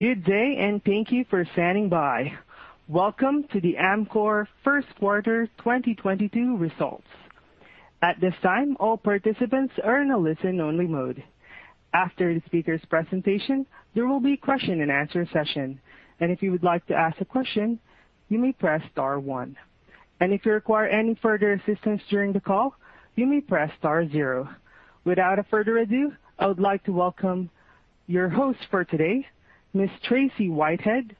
Good day and thank you for standing by. Welcome to the Amcor Q1 2022 results. At this time, all participants are in a listen-only mode. After the speaker's presentation, there will be question and answer session. If you would like to ask a question, you may press star one. If you require any further assistance during the call, you may press star zero. Without further ado, I would like to welcome your host for today, Ms. Tracey Whitehead,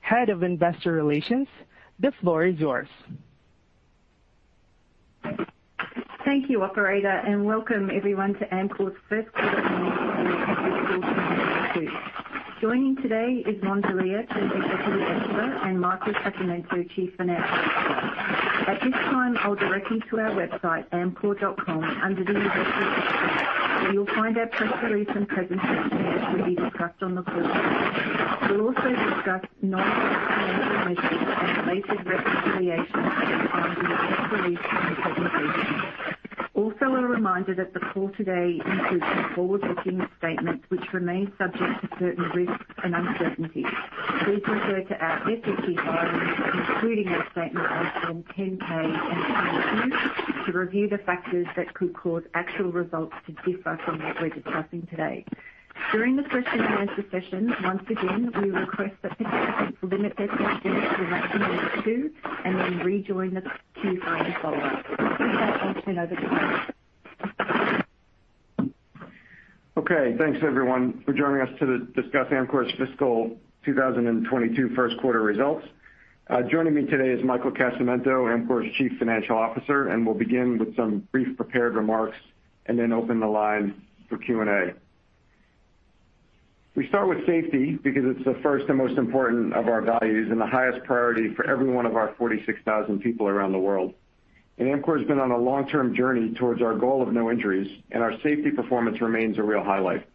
Head of Investor Relations. The floor is yours. Thank you, operator, and welcome everyone to Amcor's Q1. Joining today is Ron Delia, Chief Executive Officer, and Michael Casamento, Chief Financial Officer. At this time, I'll direct you to our website, amcor.com, under the investor section, where you'll find our press release and presentation that will be discussed on the call. We'll also discuss non-GAAP financial measures and related reconciliations that can be found in the press release and the presentation. Also, a reminder that the call today includes forward-looking statements which remain subject to certain risks and uncertainties. Please refer to our SEC filings, including our statements on Form 10-K and 10-Q, to review the factors that could cause actual results to differ from what we're discussing today. During the question-and-answer session, once again, we request that participants limit their questions to a maximum of two and then rejoin the queue for any follow-up. With that, I'll turn over to Ron. Okay, thanks everyone for joining us to discuss Amcor's fiscal 2022 Q1 results. Joining me today is Michael Casamento, Amcor's Chief Financial Officer, and we'll begin with some brief prepared remarks and then open the line for Q&A. We start with safety because it's the first and most important of our values and the highest priority for every one of our 46,000 people around the world. Amcor's been on a long-term journey towards our goal of no injuries, and our safety performance remains a real highlight.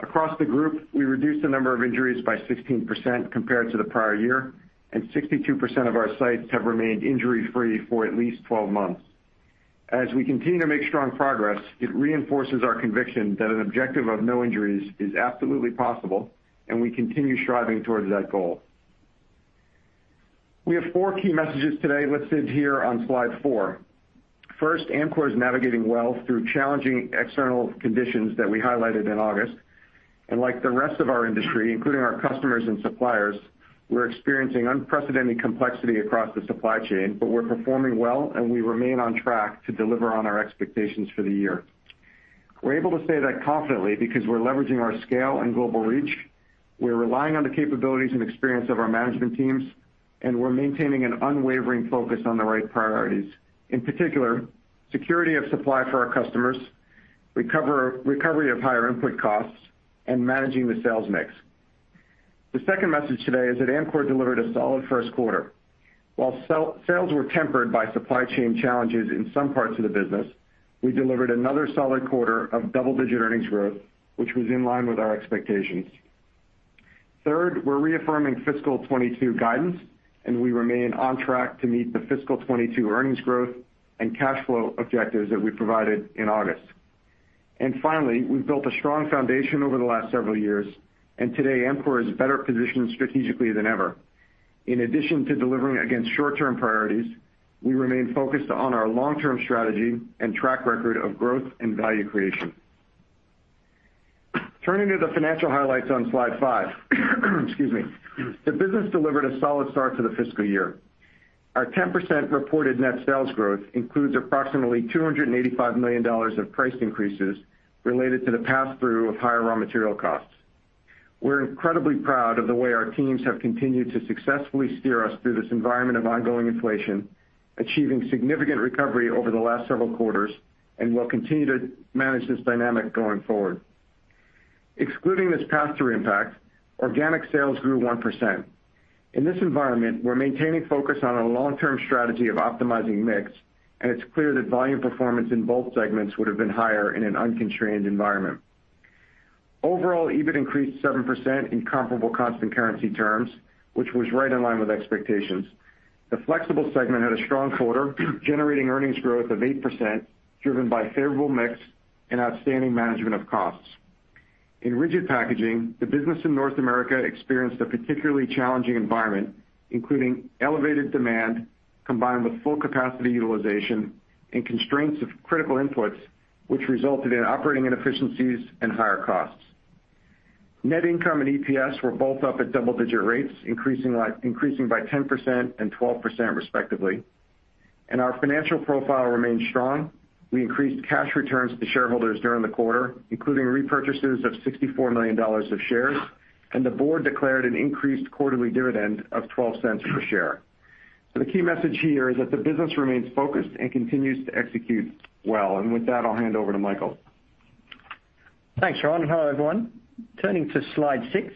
Across the group, we reduced the number of injuries by 16% compared to the prior year, and 62% of our sites have remained injury-free for at least 12 months. As we continue to make strong progress, it reinforces our conviction that an objective of no injuries is absolutely possible, and we continue striving towards that goal. We have four key messages today listed here on slide four. First, Amcor is navigating well through challenging external conditions that we highlighted in August. Like the rest of our industry, including our customers and suppliers, we're experiencing unprecedented complexity across the supply chain, but we're performing well, and we remain on track to deliver on our expectations for the year. We're able to say that confidently because we're leveraging our scale and global reach, we're relying on the capabilities and experience of our management teams, and we're maintaining an unwavering focus on the right priorities, in particular, security of supply for our customers, recovery of higher input costs, and managing the sales mix. The second message today is that Amcor delivered a solid Q1. While sales were tempered by supply chain challenges in some parts of the business, we delivered another solid quarter of double-digit earnings growth, which was in line with our expectations. Third, we're reaffirming fiscal 2022 guidance, and we remain on track to meet the fiscal 2022 earnings growth and cash flow objectives that we provided in August. Finally, we've built a strong foundation over the last several years, and today, Amcor is better positioned strategically than ever. In addition to delivering against short-term priorities, we remain focused on our long-term strategy and track record of growth and value creation. Turning to the financial highlights on slide 5. Excuse me. The business delivered a solid start to the fiscal year. Our 10% reported net sales growth includes approximately $285 million of price increases related to the pass-through of higher raw material costs. We're incredibly proud of the way our teams have continued to successfully steer us through this environment of ongoing inflation, achieving significant recovery over the last several quarters, and we'll continue to manage this dynamic going forward. Excluding this pass-through impact, organic sales grew 1%. In this environment, we're maintaining focus on a long-term strategy of optimizing mix, and it's clear that volume performance in both segments would have been higher in an unconstrained environment. Overall, EBIT increased 7% in comparable constant currency terms, which was right in line with expectations. The Flexible segment had a strong quarter, generating earnings growth of 8%, driven by favorable mix and outstanding management of costs. In Rigid Packaging, the business in North America experienced a particularly challenging environment, including elevated demand combined with full capacity utilization and constraints of critical inputs, which resulted in operating inefficiencies and higher costs. Net income and EPS were both up at double-digit rates, increasing by 10% and 12%, respectively. Our financial profile remains strong. We increased cash returns to shareholders during the quarter, including repurchases of $64 million of shares, and the board declared an increased quarterly dividend of $0.12 per share. The key message here is that the business remains focused and continues to execute well. With that, I'll hand over to Michael. Thanks, Ron, and hello, everyone. Turning to slide 6.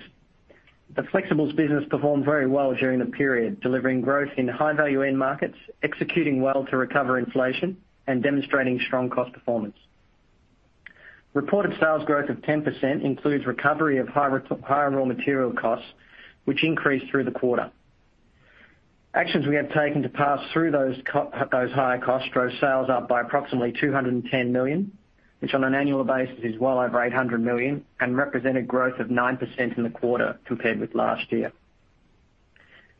The Flexibles business performed very well during the period, delivering growth in high-value end markets, executing well to recover inflation, and demonstrating strong cost performance. Reported sales growth of 10% includes recovery of higher raw material costs, which increased through the quarter. Actions we have taken to pass through those higher costs drove sales up by approximately $210 million, which on an annual basis is well over $800 million and represented growth of 9% in the quarter compared with last year.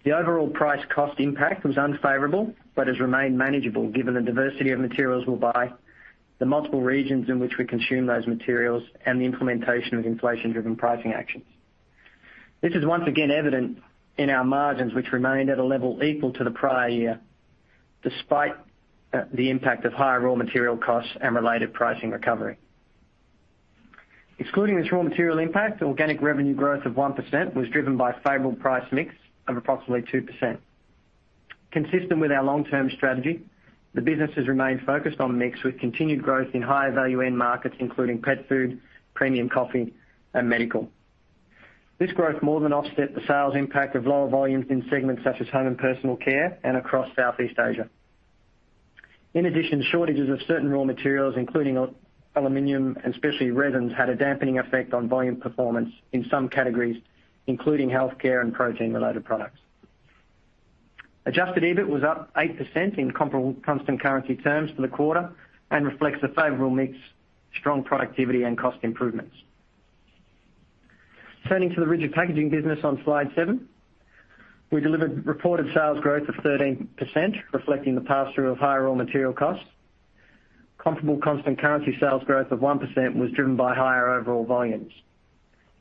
The overall price cost impact was unfavorable, but has remained manageable given the diversity of materials we buy, the multiple regions in which we consume those materials, and the implementation of inflation-driven pricing actions. This is once again evident in our margins, which remained at a level equal to the prior year, despite the impact of higher raw material costs and related pricing recovery. Excluding this raw material impact, organic revenue growth of 1% was driven by favorable price mix of approximately 2%. Consistent with our long-term strategy, the business has remained focused on mix with continued growth in higher value end markets, including pet food, premium coffee, and medical. This growth more than offset the sales impact of lower volumes in segments such as home and personal care and across Southeast Asia. In addition, shortages of certain raw materials, including aluminum and specialty resins, had a dampening effect on volume performance in some categories, including healthcare and protein-related products. Adjusted EBIT was up 8% in comparable constant currency terms for the quarter and reflects a favorable mix, strong productivity, and cost improvements. Turning to the rigid packaging business on slide 7. We delivered reported sales growth of 13%, reflecting the pass-through of higher raw material costs. Comparable constant currency sales growth of 1% was driven by higher overall volumes.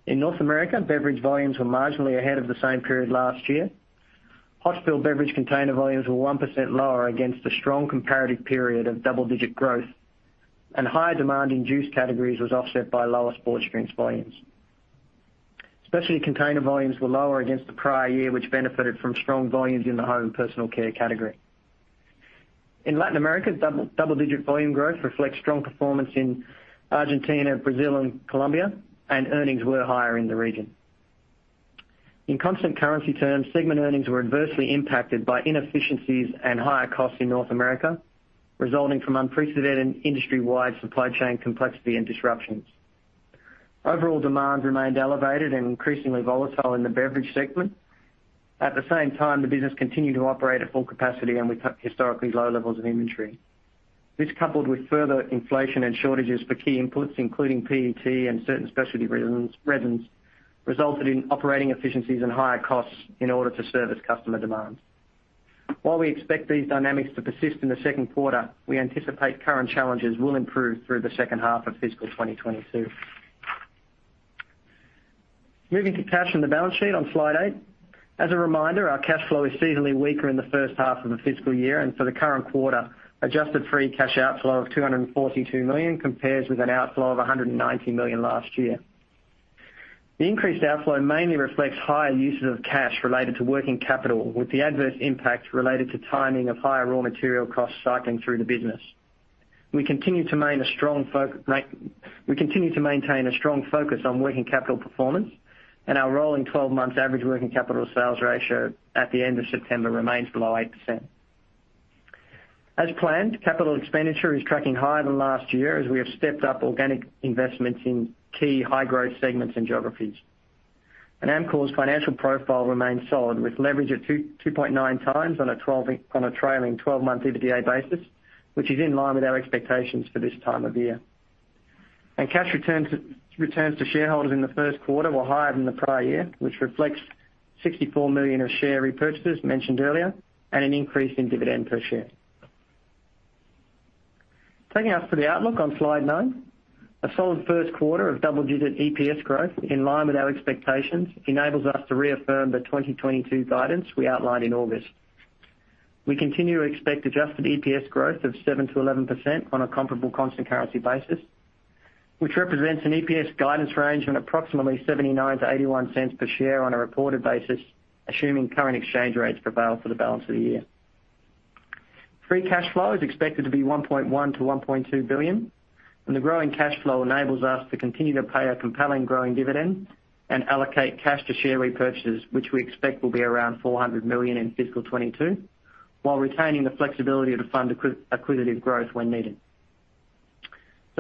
In North America, beverage volumes were marginally ahead of the same period last year. Hot fill beverage container volumes were 1% lower against the strong comparative period of double-digit growth, and higher demand in juice categories was offset by lower sports drinks volumes. Specialty container volumes were lower against the prior year, which benefited from strong volumes in the home and personal care category. In Latin America, double-digit volume growth reflects strong performance in Argentina, Brazil, and Colombia, and earnings were higher in the region. In constant currency terms, segment earnings were adversely impacted by inefficiencies and higher costs in North America, resulting from unprecedented industry-wide supply chain complexity and disruptions. Overall demand remained elevated and increasingly volatile in the beverage segment. At the same time, the business continued to operate at full capacity and with historically low levels of inventory. This coupled with further inflation and shortages for key inputs, including PET and certain specialty resins, resulted in operating efficiencies and higher costs in order to service customer demands. While we expect these dynamics to persist in the Q2, we anticipate current challenges will improve through the H2 of fiscal 2022. Moving to cash and the balance sheet on slide 8. As a reminder, our cash flow is seasonally weaker in the H1 of the fiscal year, and for the current quarter, adjusted free cash outflow of $242 million compares with an outflow of $190 million last year. The increased outflow mainly reflects higher uses of cash related to working capital, with the adverse impact related to timing of higher raw material costs cycling through the business. We continue to maintain a strong focus on working capital performance, and our rolling twelve-month average working capital sales ratio at the end of September remains below 8%. As planned, capital expenditure is tracking higher than last year as we have stepped up organic investments in key high-growth segments and geographies. Amcor's financial profile remains solid, with leverage at 2.9 times on a trailing twelve-month EBITDA basis, which is in line with our expectations for this time of year. Cash returns to shareholders in the Q1 were higher than the prior year, which reflects $64 million of share repurchases mentioned earlier, and an increase in dividend per share. Taking us to the outlook on slide 9. A solid Q1 of double-digit EPS growth in line with our expectations enables us to reaffirm the 2022 guidance we outlined in August. We continue to expect adjusted EPS growth of 7 to 11% on a comparable constant currency basis, which represents an EPS guidance range on approximately 79 to 81 cents per share on a reported basis, assuming current exchange rates prevail for the balance of the year. Free cash flow is expected to be $1.1 to 1.2 billion, and the growing cash flow enables us to continue to pay a compelling growing dividend and allocate cash to share repurchases, which we expect will be around $400 million in fiscal 2022, while retaining the flexibility to fund acquisitive growth when needed.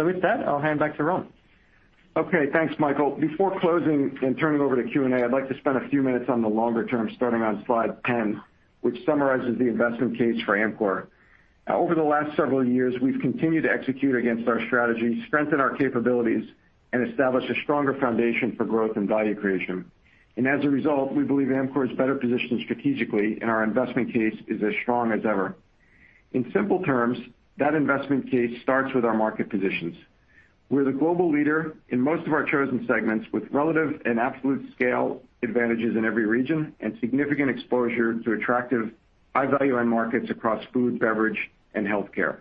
With that, I'll hand back to Ron. Okay. Thanks, Michael. Before closing and turning over to Q&A, I'd like to spend a few minutes on the longer term, starting on slide 10, which summarizes the investment case for Amcor. Over the last several years, we've continued to execute against our strategy, strengthen our capabilities, and establish a stronger foundation for growth and value creation. As a result, we believe Amcor is better positioned strategically, and our investment case is as strong as ever. In simple terms, that investment case starts with our market positions. We're the global leader in most of our chosen segments, with relative and absolute scale advantages in every region and significant exposure to attractive high-value end markets across food, beverage, and healthcare.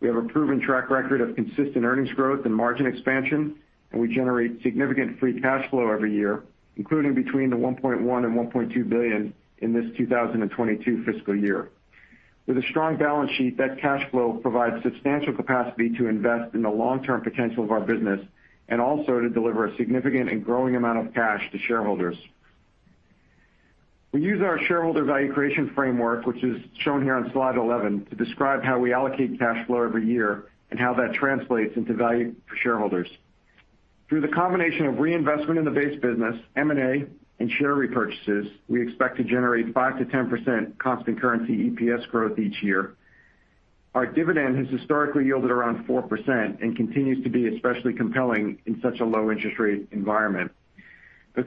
We have a proven track record of consistent earnings growth and margin expansion, and we generate significant free cash flow every year, including between $1.1 billion and $1.2 billion in this 2022 fiscal year. With a strong balance sheet, that cash flow provides substantial capacity to invest in the long-term potential of our business and also to deliver a significant and growing amount of cash to shareholders. We use our shareholder value creation framework, which is shown here on slide 11, to describe how we allocate cash flow every year and how that translates into value for shareholders. Through the combination of reinvestment in the base business, M&A, and share repurchases, we expect to generate 5 to 10% constant currency EPS growth each year. Our dividend has historically yielded around 4% and continues to be especially compelling in such a low interest rate environment.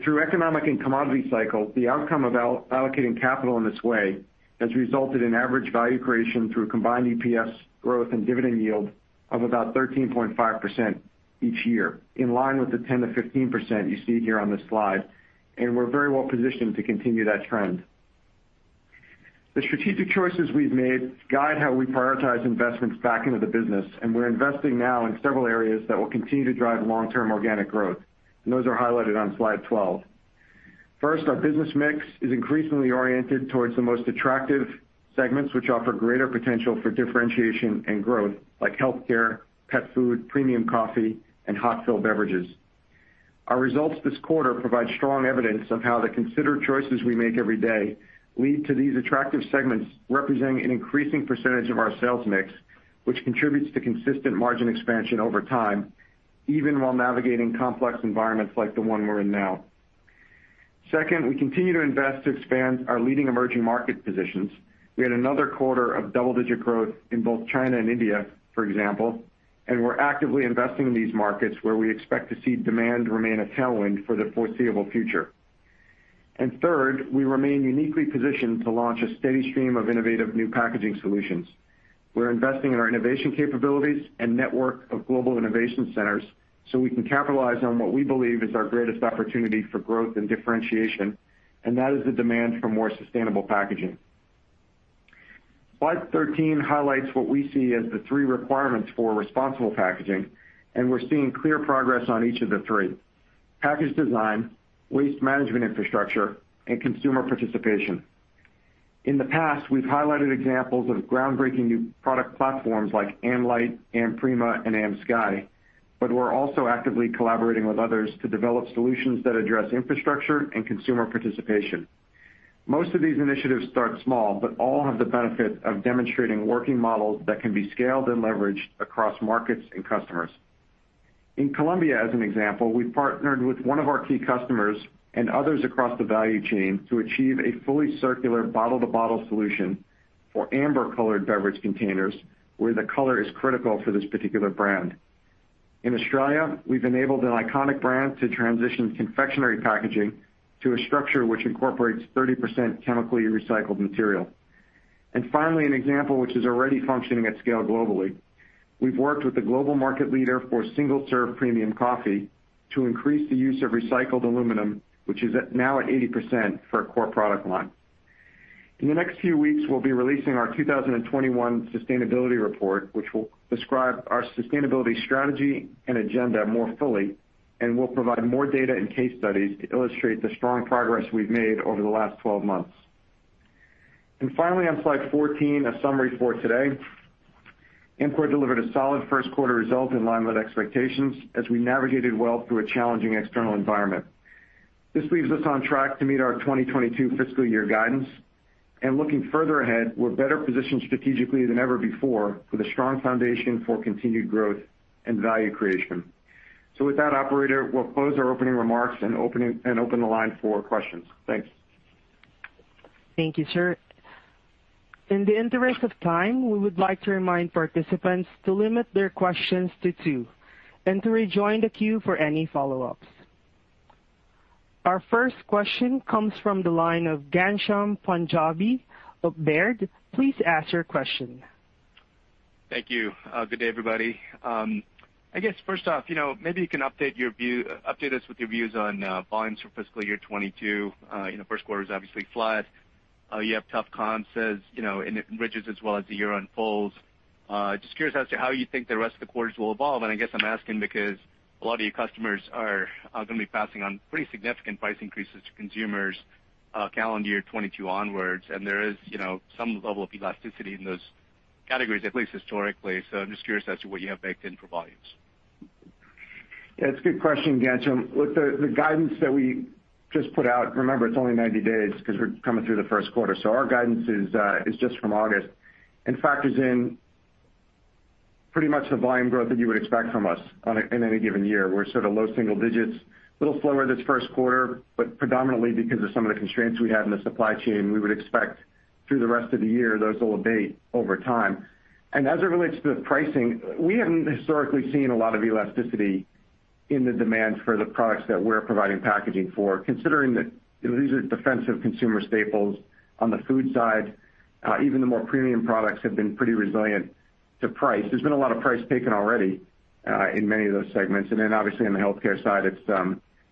Through economic and commodity cycles, the outcome of allocating capital in this way has resulted in average value creation through combined EPS growth and dividend yield of about 13.5% each year, in line with the 1015% you see here on this slide, and we're very well-positioned to continue that trend. The strategic choices we've made guide how we prioritize investments back into the business, and we're investing now in several areas that will continue to drive long-term organic growth. Those are highlighted on slide 12. First, our business mix is increasingly oriented towards the most attractive segments which offer greater potential for differentiation and growth, like healthcare, pet food, premium coffee, and hot-fill beverages. Our results this quarter provide strong evidence of how the considered choices we make every day lead to these attractive segments representing an increasing percentage of our sales mix, which contributes to consistent margin expansion over time, even while navigating complex environments like the one we're in now. Second, we continue to invest to expand our leading emerging market positions. We had another quarter of double-digit growth in both China and India, for example, and we're actively investing in these markets where we expect to see demand remain a tailwind for the foreseeable future. Third, we remain uniquely positioned to launch a steady stream of innovative new packaging solutions. We're investing in our innovation capabilities and network of global innovation centers, so we can capitalize on what we believe is our greatest opportunity for growth and differentiation, and that is the demand for more sustainable packaging. Slide 13 highlights what we see as the three requirements for responsible packaging, and we're seeing clear progress on each of the three: package design, waste management infrastructure, and consumer participation. In the past, we've highlighted examples of groundbreaking new product platforms like AmLite, AmPrima, and AmSky, but we're also actively collaborating with others to develop solutions that address infrastructure and consumer participation. Most of these initiatives start small, but all have the benefit of demonstrating working models that can be scaled and leveraged across markets and customers. In Colombia, as an example, we partnered with one of our key customers and others across the value chain to achieve a fully circular bottle-to-bottle solution for amber-colored beverage containers where the color is critical for this particular brand. In Australia, we've enabled an iconic brand to transition confectionery packaging to a structure which incorporates 30% chemically recycled material. Finally, an example which is already functioning at scale globally. We've worked with the global market leader for single-serve premium coffee to increase the use of recycled aluminum, which is at, now at 80% for a core product line. In the next few weeks, we'll be releasing our 2021 sustainability report, which will describe our sustainability strategy and agenda more fully and will provide more data and case studies to illustrate the strong progress we've made over the last 12 months. Finally, on slide 14, a summary for today. Amcor delivered a solid Q1 result in line with expectations as we navigated well through a challenging external environment. This leaves us on track to meet our 2022 fiscal year guidance. Looking further ahead, we're better positioned strategically than ever before with a strong foundation for continued growth and value creation. With that, operator, we'll close our opening remarks and opening, and open the line for questions. Thanks. Thank you, sir. In the interest of time, we would like to remind participants to limit their questions to two and to rejoin the queue for any follow-ups. Our first question comes from the line of Ghansham Panjabi of Baird. Please ask your question. Thank you. Good day, everybody. I guess first off, you know, maybe you can update us with your views on volumes for fiscal year 2022. You know, Q1 is obviously flat. You have tough comps, you know, in rigids as well as the year unfolds. Just curious as to how you think the rest of the quarters will evolve. I guess I'm asking because a lot of your customers are gonna be passing on pretty significant price increases to consumers, calendar year 2022 onwards, and there is, you know, some level of elasticity in those categories, at least historically. I'm just curious as to what you have baked in for volumes. Yeah, it's a good question, Ghansham. Look, the guidance that we just put out, remember it's only 90 days cause we're coming through the Q1. Our guidance is just from August and factors in pretty much the volume growth that you would expect from us on a, in any given year. We're sort of low single digits%, a little slower this Q1, but predominantly because of some of the constraints we had in the supply chain. We would expect through the rest of the year, those will abate over time. As it relates to pricing, we haven't historically seen a lot of elasticity in the demand for the products that we're providing packaging for. Considering that, you know, these are defensive consumer staples on the food side, even the more premium products have been pretty resilient to price. There's been a lot of price taken already in many of those segments. Obviously on the healthcare side, it's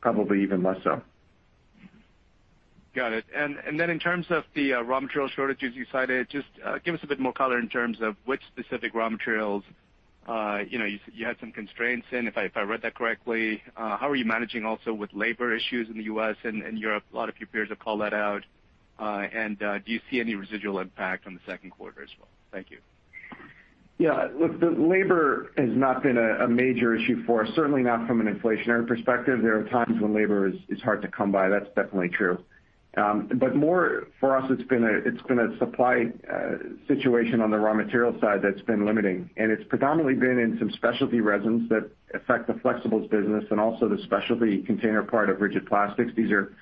probably even less so. Got it. In terms of the raw material shortages you cited, just give us a bit more color in terms of which specific raw materials, you know, you had some constraints in, if I read that correctly. How are you managing also with labor issues in the U.S. and Europe? A lot of your peers have called that out. Do you see any residual impact on the Q2 as well? Thank you. Yeah. Look, the labor has not been a major issue for us, certainly not from an inflationary perspective. There are times when labor is hard to come by. That's definitely true. More for us, it's been a supply situation on the raw material side that's been limiting. It's predominantly been in some specialty resins that affect the flexibles business and also the specialty container part of rigid plastics. These are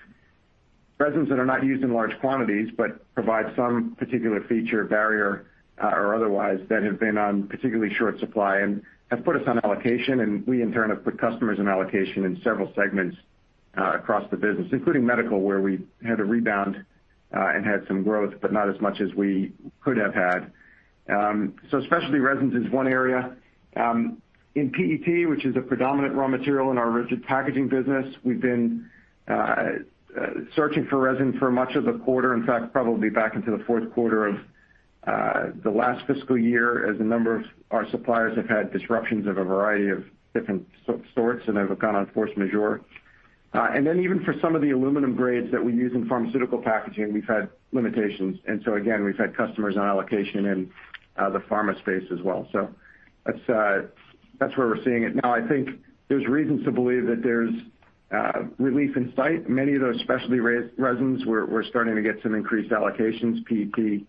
resins that are not used in large quantities, but provide some particular feature barrier or otherwise that have been on particularly short supply and have put us on allocation, and we in turn have put customers on allocation in several segments across the business, including medical, where we had a rebound and had some growth, but not as much as we could have had. Specialty resins is one area. In PET, which is a predominant raw material in our rigid packaging business, we've been searching for resin for much of the quarter, in fact, probably back into the Q4 of the last fiscal year, as a number of our suppliers have had disruptions of a variety of different sorts, and have gone on force majeure. Even for some of the aluminum grades that we use in pharmaceutical packaging, we've had limitations. Again, we've had customers on allocation in the pharma space as well. That's where we're seeing it now. I think there's reasons to believe that there's relief in sight. Many of those specialty resins, we're starting to get some increased allocations. PET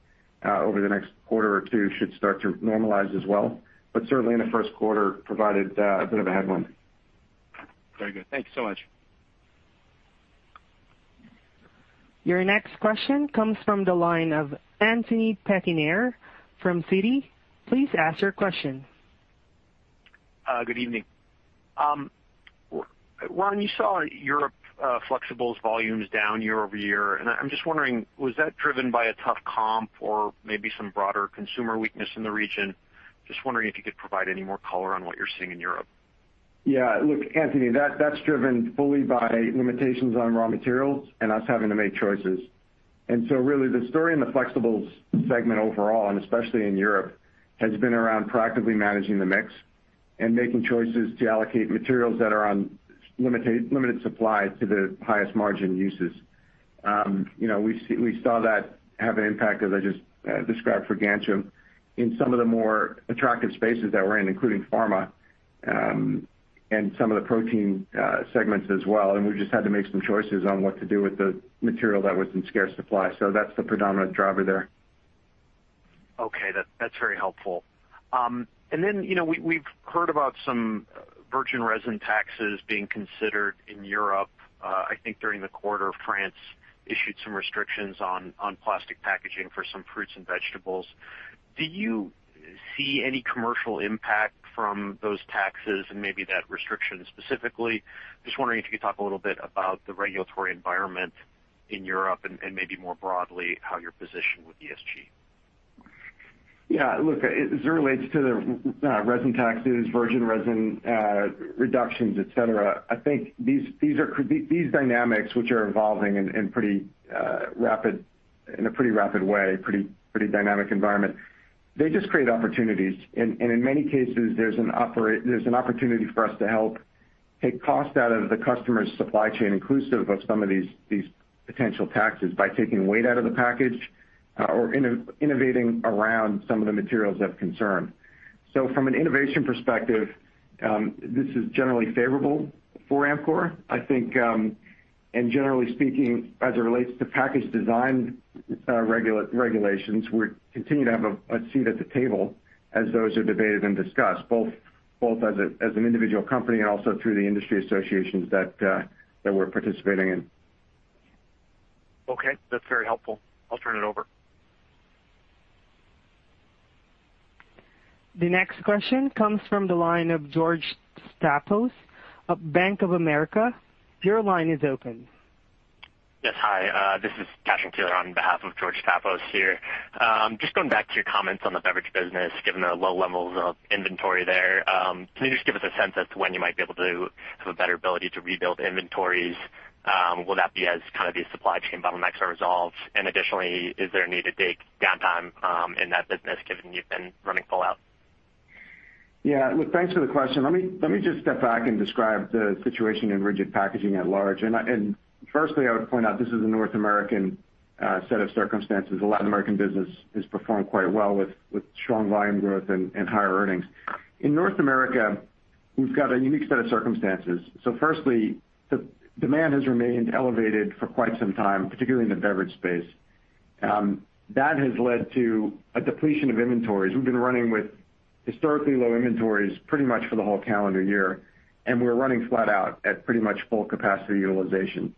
over the next quarter or two should start to normalize as well, but certainly in the Q1 provided a bit of a headwind. Very good. Thank you so much. Your next question comes from the line of Anthony Pettinari from Citi. Please ask your question. Good evening. Ron Delia, you saw Europe, flexibles volumes down year-over-year. I'm just wondering, was that driven by a tough comp or maybe some broader consumer weakness in the region? Just wondering if you could provide any more color on what you're seeing in Europe. Yeah. Look, Anthony, that's driven fully by limitations on raw materials and us having to make choices. Really the story in the flexibles segment overall, and especially in Europe, has been around proactively managing the mix and making choices to allocate materials that are on limited supply to the highest margin uses. You know, we saw that have an impact, as I just described for Ghansham Panjabi in some of the more attractive spaces that we're in, including pharma, and some of the protein segments as well. We just had to make some choices on what to do with the material that was in scarce supply. That's the predominant driver there. Okay. That's very helpful. You know, we've heard about some virgin resin taxes being considered in Europe. I think during the quarter, France issued some restrictions on plastic packaging for some fruits and vegetables. Do you see any commercial impact from those taxes and maybe that restriction specifically? Just wondering if you could talk a little bit about the regulatory environment in Europe and maybe more broadly, how you're positioned with ESG. Yeah. Look, as it relates to the resin taxes, virgin resin, reductions, et cetera, I think these dynamics which are evolving in a pretty rapid way, pretty dynamic environment. They just create opportunities. In many cases, there's an opportunity for us to help take cost out of the customer's supply chain, inclusive of some of these potential taxes by taking weight out of the package or innovating around some of the materials of concern. From an innovation perspective, this is generally favorable for Amcor. I think, and generally speaking, as it relates to package design, regulations, we continue to have a seat at the table as those are debated and discussed, both as an individual company and also through the industry associations that we're participating in. Okay. That's very helpful. I'll turn it over. The next question comes from the line of George Staphos of Bank of America. Your line is open. Yes. Hi. This is Cashen Keeler on behalf of George Staphos here. Just going back to your comments on the beverage business, given the low levels of inventory there, can you just give us a sense as to when you might be able to have a better ability to rebuild inventories? Will that be as kind of these supply chain bottlenecks are resolved? Additionally, is there a need to take downtime, in that business, given you've been running full out? Yeah. Look, thanks for the question. Let me just step back and describe the situation in rigid packaging at large. I would point out this is a North American set of circumstances. The Latin American business has performed quite well with strong volume growth and higher earnings. In North America, we've got a unique set of circumstances. Firstly, the demand has remained elevated for quite some time, particularly in the beverage space. That has led to a depletion of inventories. We've been running with historically low inventories pretty much for the whole calendar year, and we're running flat out at pretty much full capacity utilization.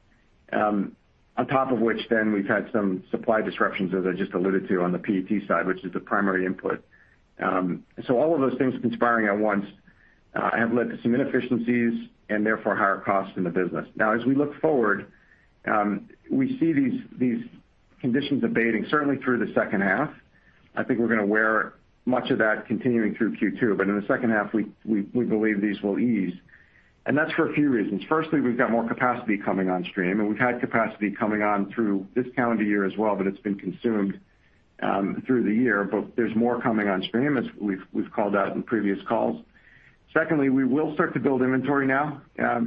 On top of which then we've had some supply disruptions, as I just alluded to on the PET side, which is the primary input. All of those things conspiring at once have led to some inefficiencies and therefore higher costs in the business. Now, as we look forward, we see these conditions abating certainly through the H2. I think we're gonna bear much of that continuing through Q2. In the H2, we believe these will ease. That's for a few reasons. Firstly, we've got more capacity coming on stream, and we've had capacity coming on through this calendar year as well, but it's been consumed through the year. There's more coming on stream as we've called out in previous calls. Secondly, we will start to build inventory now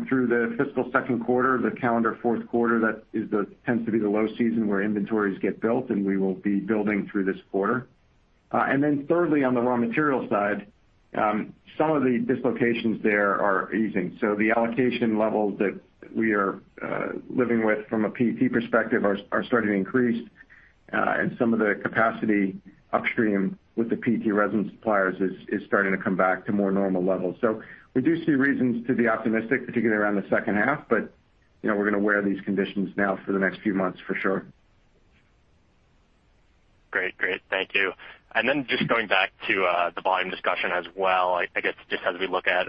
through the fiscal Q2, the calendar Q4. That tends to be the low season where inventories get built, and we will be building through this quarter. Thirdly, on the raw material side, some of the dislocations there are easing. The allocation levels that we are living with from a PET perspective are starting to increase. Some of the capacity upstream with the PET resin suppliers is starting to come back to more normal levels. We do see reasons to be optimistic, particularly around the H2, but, you know, we're gonna wear these conditions now for the next few months for sure. Great. Thank you. Just going back to the volume discussion as well, I guess just as we look at,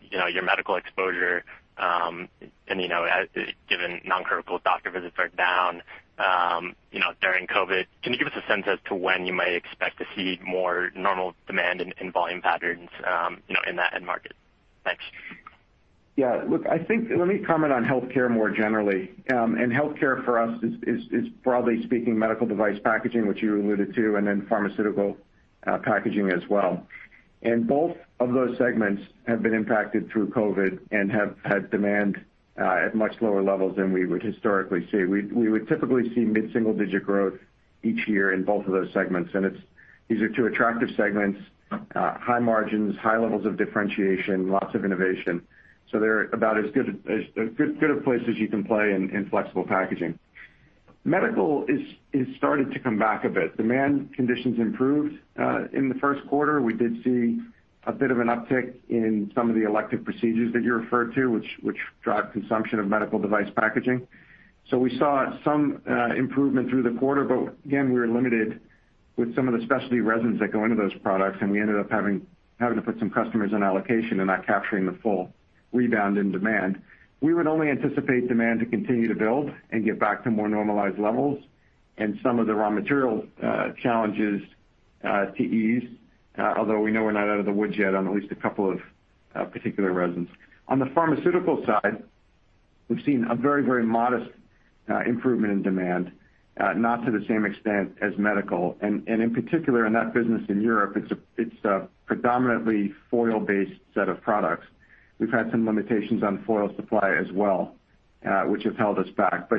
you know, your medical exposure, and, you know, given non-critical doctor visits are down, you know, during COVID, can you give us a sense as to when you might expect to see more normal demand in volume patterns, you know, in that end market? Thanks. Yeah. Look, I think. Let me comment on healthcare more generally. Healthcare for us is broadly speaking medical device packaging, which you alluded to, and then pharmaceutical packaging as well. Both of those segments have been impacted through COVID and have had demand at much lower levels than we would historically see. We would typically see mid-single digit growth each year in both of those segments. It's. These are two attractive segments, high margins, high levels of differentiation, lots of innovation. They're about as good a place as you can play in flexible packaging. Medical is starting to come back a bit. Demand conditions improved in the Q1. We did see a bit of an uptick in some of the elective procedures that you referred to, which drive consumption of medical device packaging. We saw some improvement through the quarter, but again, we were limited with some of the specialty resins that go into those products, and we ended up having to put some customers on allocation and not capturing the full rebound in demand. We would only anticipate demand to continue to build and get back to more normalized levels and some of the raw material challenges to ease, although we know we're not out of the woods yet on at least a couple of particular resins. On the pharmaceutical side, we've seen a very modest improvement in demand, not to the same extent as medical. In particular, in that business in Europe, it's a predominantly foil-based set of products. We've had some limitations on foil supply as well, which have held us back.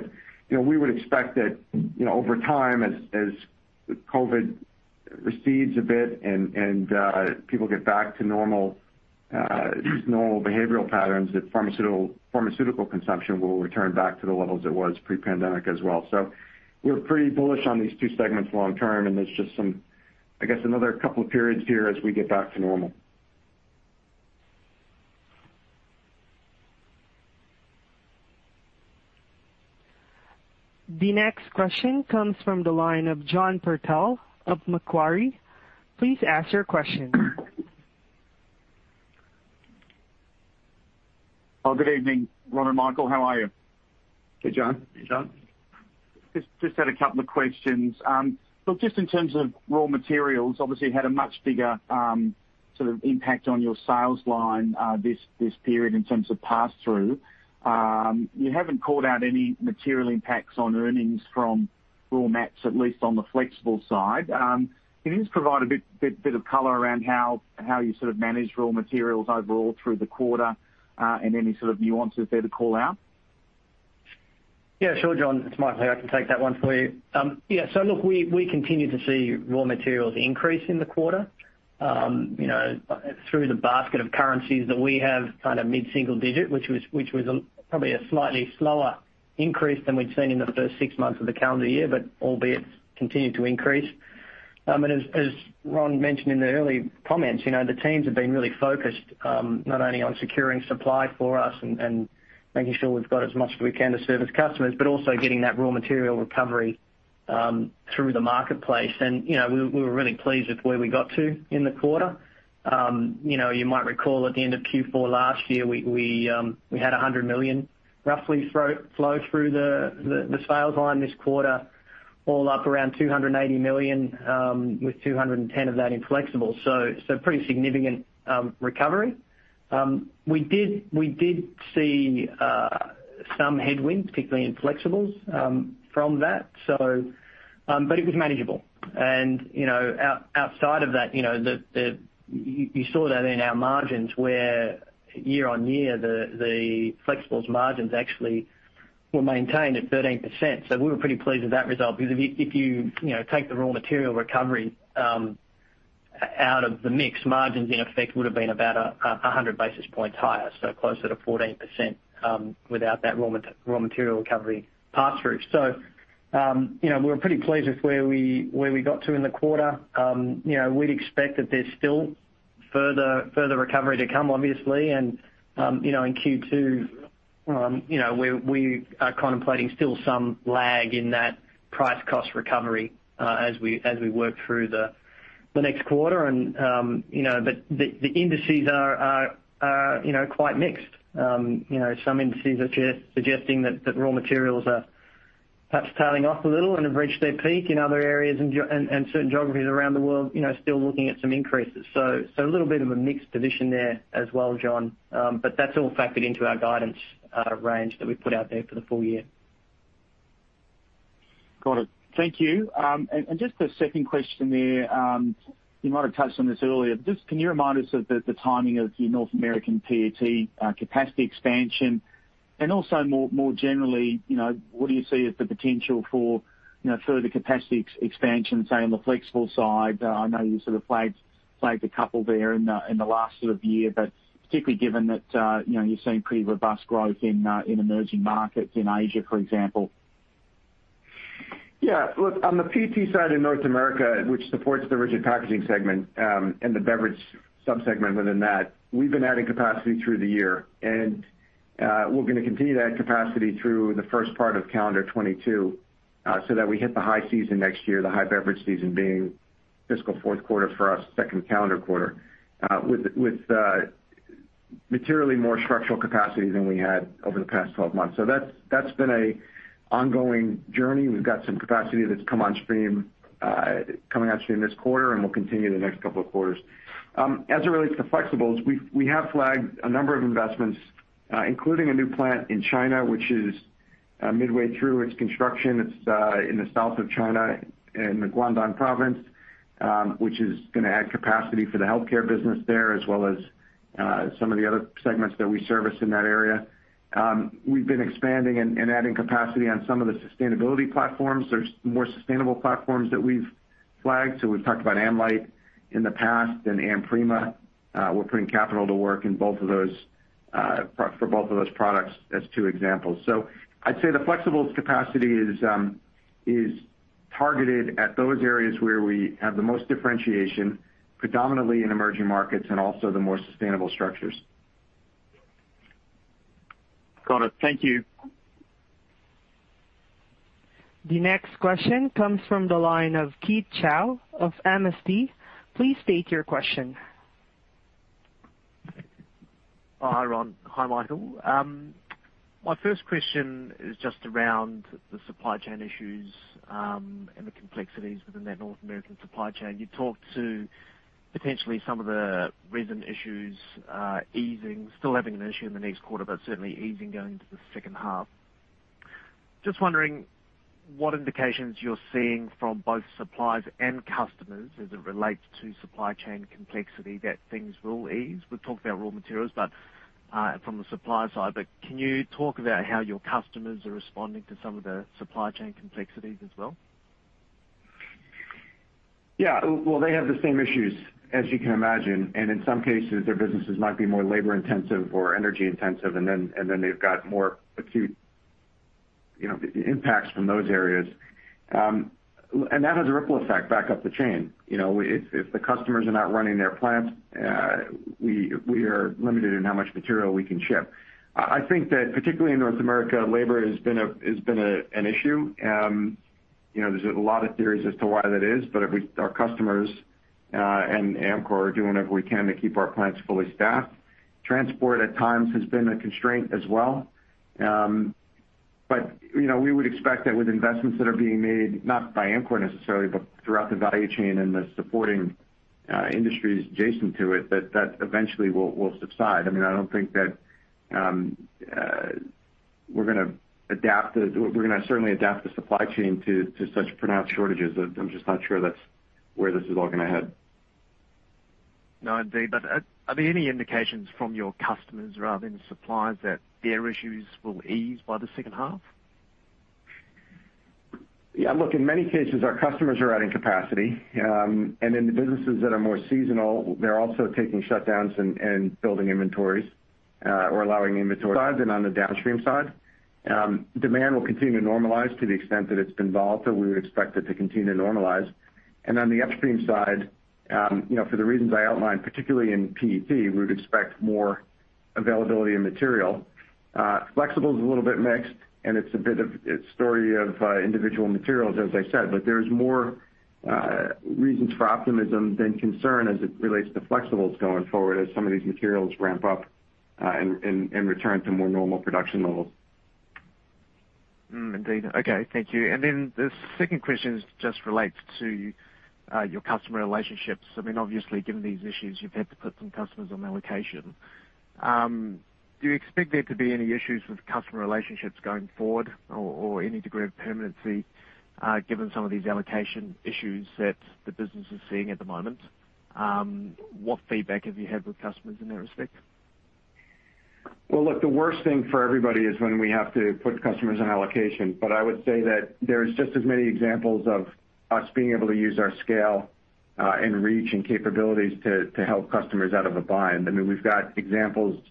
You know, we would expect that, you know, over time, as COVID recedes a bit and people get back to normal behavioral patterns, that pharmaceutical consumption will return back to the levels it was pre-pandemic as well. We're pretty bullish on these two segments long term, and there's just some, I guess, another couple of periods here as we get back to normal. The next question comes from the line of John Purtell of Macquarie. Please ask your question. Oh, good evening, Ron and Michael, how are you? Hey, John. Hey, John. Just had a couple of questions. Look, just in terms of raw materials, obviously had a much bigger sort of impact on your sales line, this period in terms of pass-through. You haven't called out any material impacts on earnings from raw mats, at least on the flexible side. Can you just provide a bit of color around how you sort of manage raw materials overall through the quarter, and any sort of nuances there to call out? Yeah, sure, John. It's Michael here. I can take that one for you. Yeah. Look, we continue to see raw materials increase in the quarter, you know, through the basket of currencies that we have kind of mid-single digit, which was probably a slightly slower increase than we'd seen in the first six months of the calendar year, but albeit continued to increase. As Ron mentioned in the early comments, you know, the teams have been really focused, not only on securing supply for us and making sure we've got as much as we can to service customers but also getting that raw material recovery through the marketplace. You know, we were really pleased with where we got to in the quarter. You know, you might recall at the end of Q4 last year, we had $100 million roughly flow through the sales line this quarter, all up around $280 million, with $210 million of that in Flexibles. Pretty significant recovery. We did see some headwinds, particularly in Flexibles, from that. It was manageable. You know, outside of that, you know, you saw that in our margins, where year-on-year, the Flexibles margins actually were maintained at 13%. We were pretty pleased with that result, because if you know, take the raw material recovery out of the mix, margins in effect would have been about 100 basis points higher, so closer to 14%, without that raw material recovery pass-through. We were pretty pleased with where we got to in the quarter. You know, we'd expect that there's still further recovery to come, obviously. You know, in Q2, you know, we are contemplating still some lag in that price cost recovery, as we work through the next quarter. You know, but the indices are quite mixed. You know, some indices are suggesting that raw materials are perhaps tailing off a little and have reached their peak in other areas and certain geographies around the world, you know, still looking at some increases. A little bit of a mixed position there as well, John. That's all factored into our guidance range that we put out there for the full year. Got it. Thank you. Just a second question there. You might have touched on this earlier. Just can you remind us of the timing of your North American PET capacity expansion? Also more generally, you know, what do you see as the potential for, you know, further capacity expansion, say, on the flexible side? I know you sort of flagged a couple there in the last sort of year, but particularly given that, you know, you're seeing pretty robust growth in emerging markets in Asia, for example. Yeah. Look, on the PET side in North America, which supports the rigid packaging segment, and the beverage sub-segment within that, we've been adding capacity through the year. We're gonna continue to add capacity through the first part of calendar 2022, so that we hit the high season next year, the high beverage season being fiscal Q4 for us, second calendar quarter, with materially more structural capacity than we had over the past 12 months. That's been an ongoing journey. We've got some capacity that's come on stream, coming on stream this quarter, and we'll continue the next couple of quarters. As it relates to flexibles, we have flagged a number of investments, including a new plant in China, which is midway through its construction. It's in the south of China in the Guangdong Province, which is gonna add capacity for the healthcare business there as well as some of the other segments that we service in that area. We've been expanding and adding capacity on some of the sustainability platforms. There's more sustainable platforms that we've flagged, so we've talked about AmLite in the past and AmPrima. We're putting capital to work in both of those, for both of those products as two examples. I'd say the flexibles capacity is targeted at those areas where we have the most differentiation, predominantly in emerging markets and also the more sustainable structures. Got it. Thank you. The next question comes from the line of Keith Chau of MST. Please state your question. Hi, Ron. Hi, Michael. My first question is just around the supply chain issues and the complexities within that North American supply chain. You talked to potentially some of the recent issues easing. Still having an issue in the next quarter, but certainly easing going into the H2. Just wondering what indications you're seeing from both suppliers and customers as it relates to supply chain complexity that things will ease. We've talked about raw materials, but from the supplier side. Can you talk about how your customers are responding to some of the supply chain complexities as well? Yeah. Well, they have the same issues, as you can imagine, and in some cases, their businesses might be more labor-intensive or energy-intensive, and then they've got more acute, you know, impacts from those areas. And that has a ripple effect back up the chain. You know, if the customers are not running their plants, we are limited in how much material we can ship. I think that particularly in North America, labor has been an issue. You know, there's a lot of theories as to why that is, but our customers and Amcor are doing whatever we can to keep our plants fully staffed. Transport at times has been a constraint as well. You know, we would expect that with investments that are being made, not by Amcor necessarily, but throughout the value chain and the supporting industries adjacent to it, that eventually will subside. I mean, I don't think that we're gonna certainly adapt the supply chain to such pronounced shortages. I'm just not sure that's where this is all gonna head. No, indeed. Are there any indications from your customers rather than suppliers that their issues will ease by the H2? Yeah. Look, in many cases, our customers are adding capacity. In the businesses that are more seasonal, they're also taking shutdowns and building inventories, or allowing inventory upstream side than on the downstream side. Demand will continue to normalize to the extent that it's been volatile. We would expect it to continue to normalize. On the upstream side, you know, for the reasons I outlined, particularly in PET, we would expect more availability of material. Flexible is a little bit mixed, and it's a bit of a story of individual materials, as I said. But there's more reasons for optimism than concern as it relates to flexibles going forward as some of these materials ramp up and return to more normal production levels. Okay. Thank you. Then the second question just relates to your customer relationships. I mean, obviously, given these issues, you've had to put some customers on allocation. Do you expect there to be any issues with customer relationships going forward or any degree of permanency, given some of these allocation issues that the business is seeing at the moment? What feedback have you had with customers in that respect? Well, look, the worst thing for everybody is when we have to put customers on allocation. I would say that there's just as many examples of us being able to use our scale and reach and capabilities to help customers out of a bind. I mean, we've got examples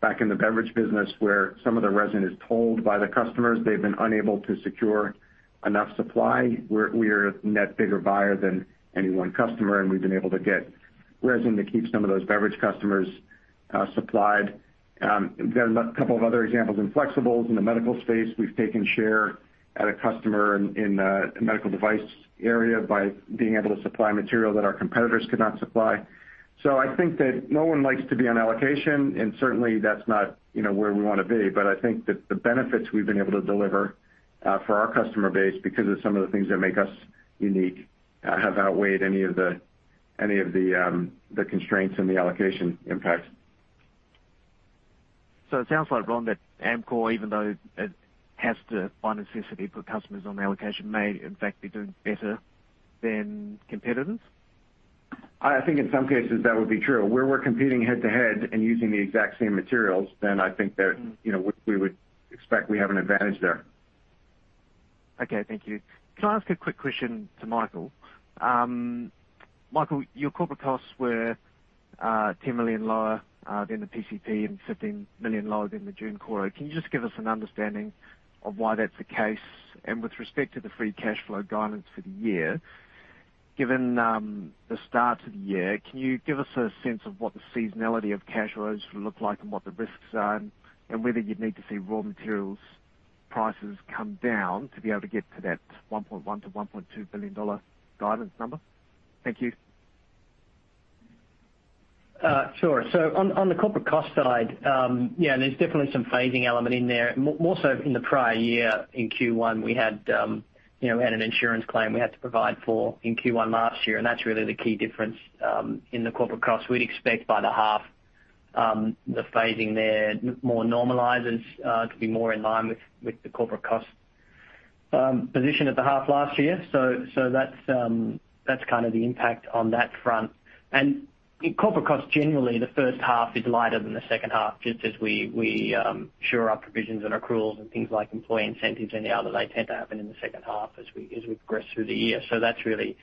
back in the beverage business, where customers have told us that they've been unable to secure enough resin supply. We are a net bigger buyer than any one customer, and we've been able to get resin to keep some of those beverage customers supplied. There are a couple of other examples in flexibles. In the medical space, we've taken share at a customer in the medical device area by being able to supply material that our competitors could not supply. I think that no one likes to be on allocation, and certainly that's not, you know, where we wanna be. I think that the benefits we've been able to deliver for our customer base because of some of the things that make us unique have outweighed any of the constraints and the allocation impact. It sounds like, Ron, that Amcor, even though it has to, by necessity, put customers on allocation, may in fact be doing better than competitors? I think in some cases that would be true. Where we're competing head-to-head and using the exact same materials, then I think that- You know, we would expect we have an advantage there. Okay. Thank you. Can I ask a quick question to Michael? Michael, your corporate costs were $10 million lower than the PCP and $15 million lower than the June quarter. Can you just give us an understanding of why that's the case? With respect to the free cash flow guidance for the year, given the start to the year, can you give us a sense of what the seasonality of cash flows look like and what the risks are and whether you'd need to see raw materials prices come down to be able to get to that $1.1 to 1.2 billion guidance number? Thank you. Sure. On the corporate cost side, there's definitely some phasing element in there. More so in the prior year. In Q1, we had, you know, an insurance claim we had to provide for in Q1 last year, and that's really the key difference in the corporate costs. We'd expect by the half, the phasing there more normalize and to be more in line with the corporate cost position at the half last year. That's kind of the impact on that front. In corporate costs, generally, the H1 is lighter than the H2, just as we shore up provisions and accruals and things like employee incentives and the other, they tend to happen in the H2 as we progress through the year. That's really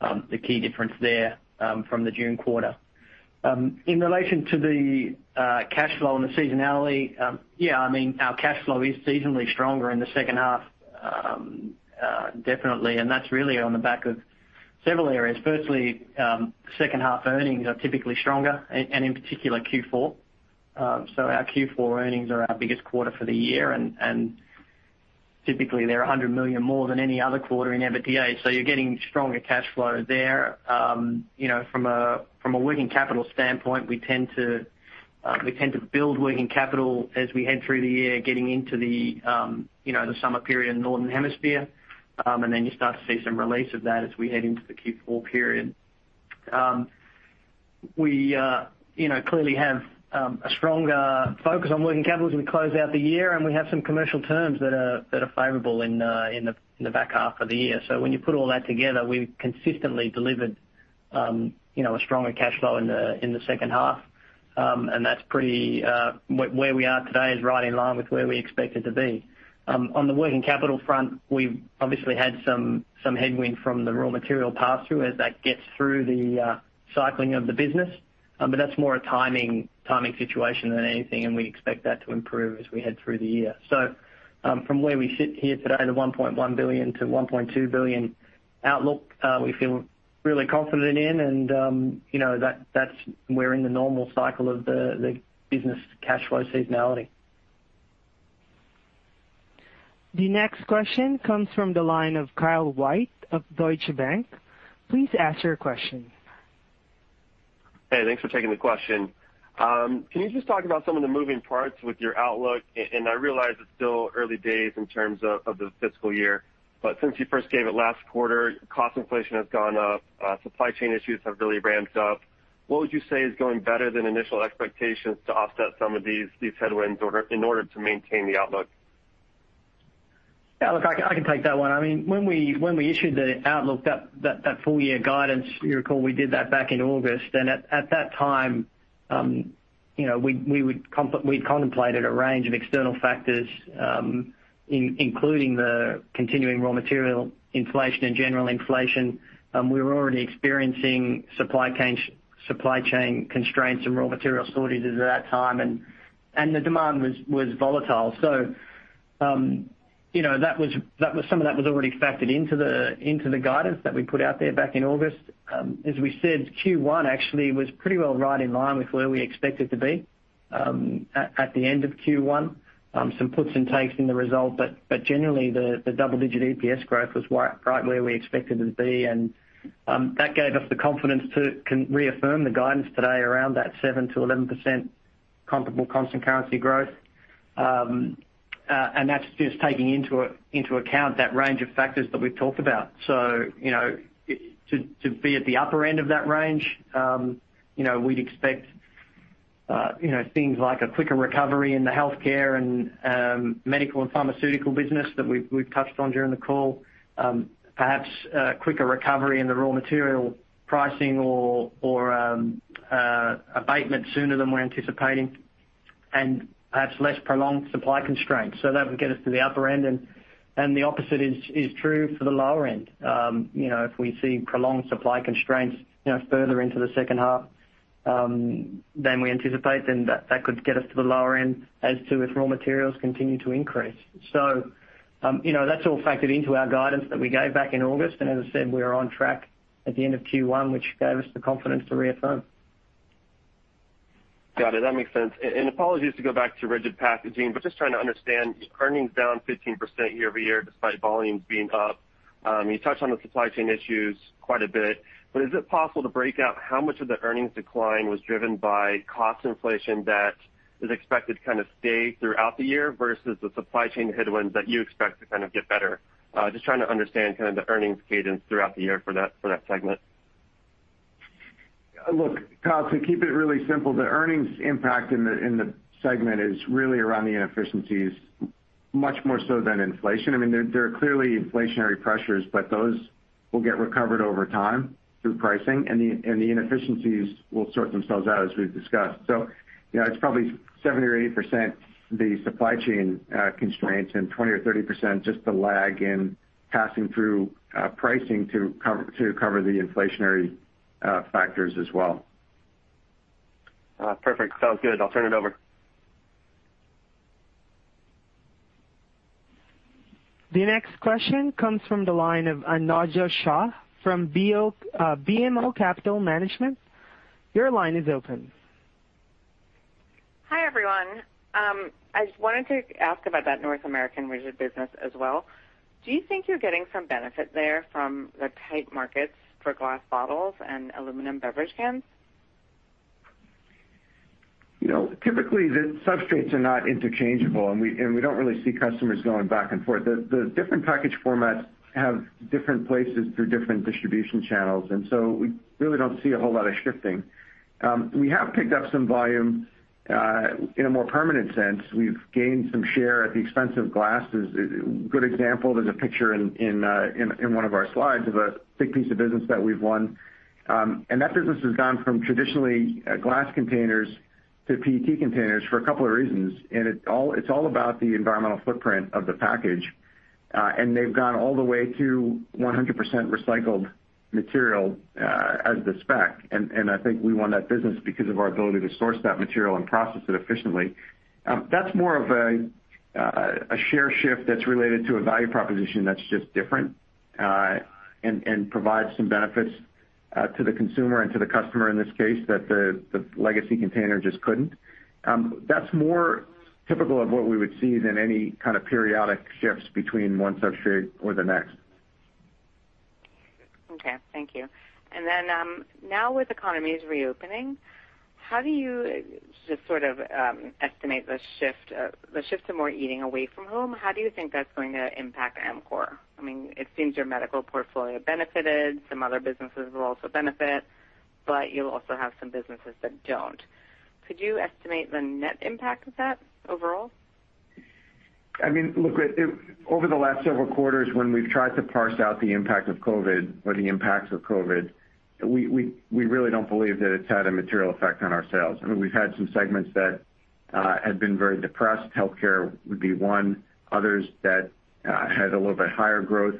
the key difference there from the June quarter. In relation to the cash flow and the seasonality, yeah, I mean, our cash flow is seasonally stronger in the H2, definitely, and that's really on the back of several areas. Firstly, H2 earnings are typically stronger and in particular Q4. Our Q4 earnings are our biggest quarter for the year, and typically they're $100 million more than any other quarter in EBITDA. You're getting stronger cash flow there. You know, from a working capital standpoint, we tend to build working capital as we head through the year, getting into the summer period in northern hemisphere. You start to see some release of that as we head into the Q4 period. We you know clearly have a stronger focus on working capital as we close out the year, and we have some commercial terms that are favorable in the back half of the year. When you put all that together, we've consistently delivered you know a stronger cash flow in the H2. Where we are today is right in line with where we expect it to be. On the working capital front, we've obviously had some headwind from the raw material pass through as that gets through the cycling of the business. That's more a timing situation than anything, and we expect that to improve as we head through the year. From where we sit here today, the $1.1 billion-$1.2 billion outlook we feel really confident in and, you know, that's. We're in the normal cycle of the business cash flow seasonality. The next question comes from the line of Kyle White of Deutsche Bank. Please ask your question. Hey, thanks for taking the question. Can you just talk about some of the moving parts with your outlook? I realize it's still early days in terms of the fiscal year. Since you first gave it last quarter, cost inflation has gone up, supply chain issues have really ramped up. What would you say is going better than initial expectations to offset some of these headwinds in order to maintain the outlook? Yeah, look, I can take that one. I mean, when we issued the outlook, that full year guidance, you recall, we did that back in August. At that time, you know, we contemplated a range of external factors, including the continuing raw material inflation and general inflation. We were already experiencing supply chain constraints and raw material shortages at that time and the demand was volatile. You know, some of that was already factored into the guidance that we put out there back in August. As we said, Q1 actually was pretty well right in line with where we expected to be, at the end of Q1. Some puts and takes in the result, but generally the double-digit EPS growth was right where we expected it to be. That gave us the confidence to reaffirm the guidance today around that 7%-11% comparable constant currency growth. That's just taking into account that range of factors that we've talked about. You know, to be at the upper end of that range, you know, we'd expect, you know, things like a quicker recovery in the healthcare and medical and pharmaceutical business that we've touched on during the call. Perhaps a quicker recovery in the raw material pricing or abatement sooner than we're anticipating, and perhaps less prolonged supply constraints. That would get us to the upper end and the opposite is true for the lower end. You know, if we see prolonged supply constraints, you know, further into the H2 than we anticipate, then that could get us to the lower end as to if raw materials continue to increase. You know, that's all factored into our guidance that we gave back in August. As I said, we are on track at the end of Q1, which gave us the confidence to reaffirm. Got it. That makes sense. Apologies to go back to rigid packaging but just trying to understand earnings down 15% year-over-year despite volumes being up. You touched on the supply chain issues quite a bit, but is it possible to break out how much of the earnings decline was driven by cost inflation that is expected to kind of stay throughout the year versus the supply chain headwinds that you expect to kind of get better? Just trying to understand kind of the earnings cadence throughout the year for that segment. Look, Kyle, to keep it really simple, the earnings impact in the segment is really around the inefficiencies, much more so than inflation. I mean, there are clearly inflationary pressures, but those will get recovered over time through pricing and the inefficiencies will sort themselves out as we've discussed. You know, it's probably 70% or 80% the supply chain constraints and 20% or 30% just the lag in passing through pricing to cover the inflationary factors as well. Perfect. Sounds good. I'll turn it over. The next question comes from the line of Arun Viswanathan from BMO Capital Markets. Your line is open. Hi, everyone. I just wanted to ask about that North American rigid business as well. Do you think you're getting some benefit there from the tight markets for glass bottles and aluminum beverage cans? You know, typically, the substrates are not interchangeable, and we don't really see customers going back and forth. The different package formats have different places through different distribution channels, and so we really don't see a whole lot of shifting. We have picked up some volume in a more permanent sense. We've gained some share at the expense of glass. As a good example, there's a picture in one of our slides of a big piece of business that we've won. That business has gone from traditionally glass containers to PET containers for a couple of reasons. It's all about the environmental footprint of the package. They've gone all the way to 100% recycled material as the spec. I think we won that business because of our ability to source that material and process it efficiently. That's more of a share shift that's related to a value proposition that's just different, and provides some benefits to the consumer and to the customer in this case that the legacy container just couldn't. That's more typical of what we would see than any kind of periodic shifts between one substrate or the next. Okay. Thank you. Now with economies reopening, how do you just sort of estimate the shift to more eating away from home? How do you think that's going to impact Amcor? I mean, it seems your medical portfolio benefited, some other businesses will also benefit, but you'll also have some businesses that don't. Could you estimate the net impact of that overall? I mean, look, over the last several quarters when we've tried to parse out the impact of COVID or the impacts of COVID, we really don't believe that it's had a material effect on our sales. I mean, we've had some segments that have been very depressed. Healthcare would be one. Others that had a little bit higher growth.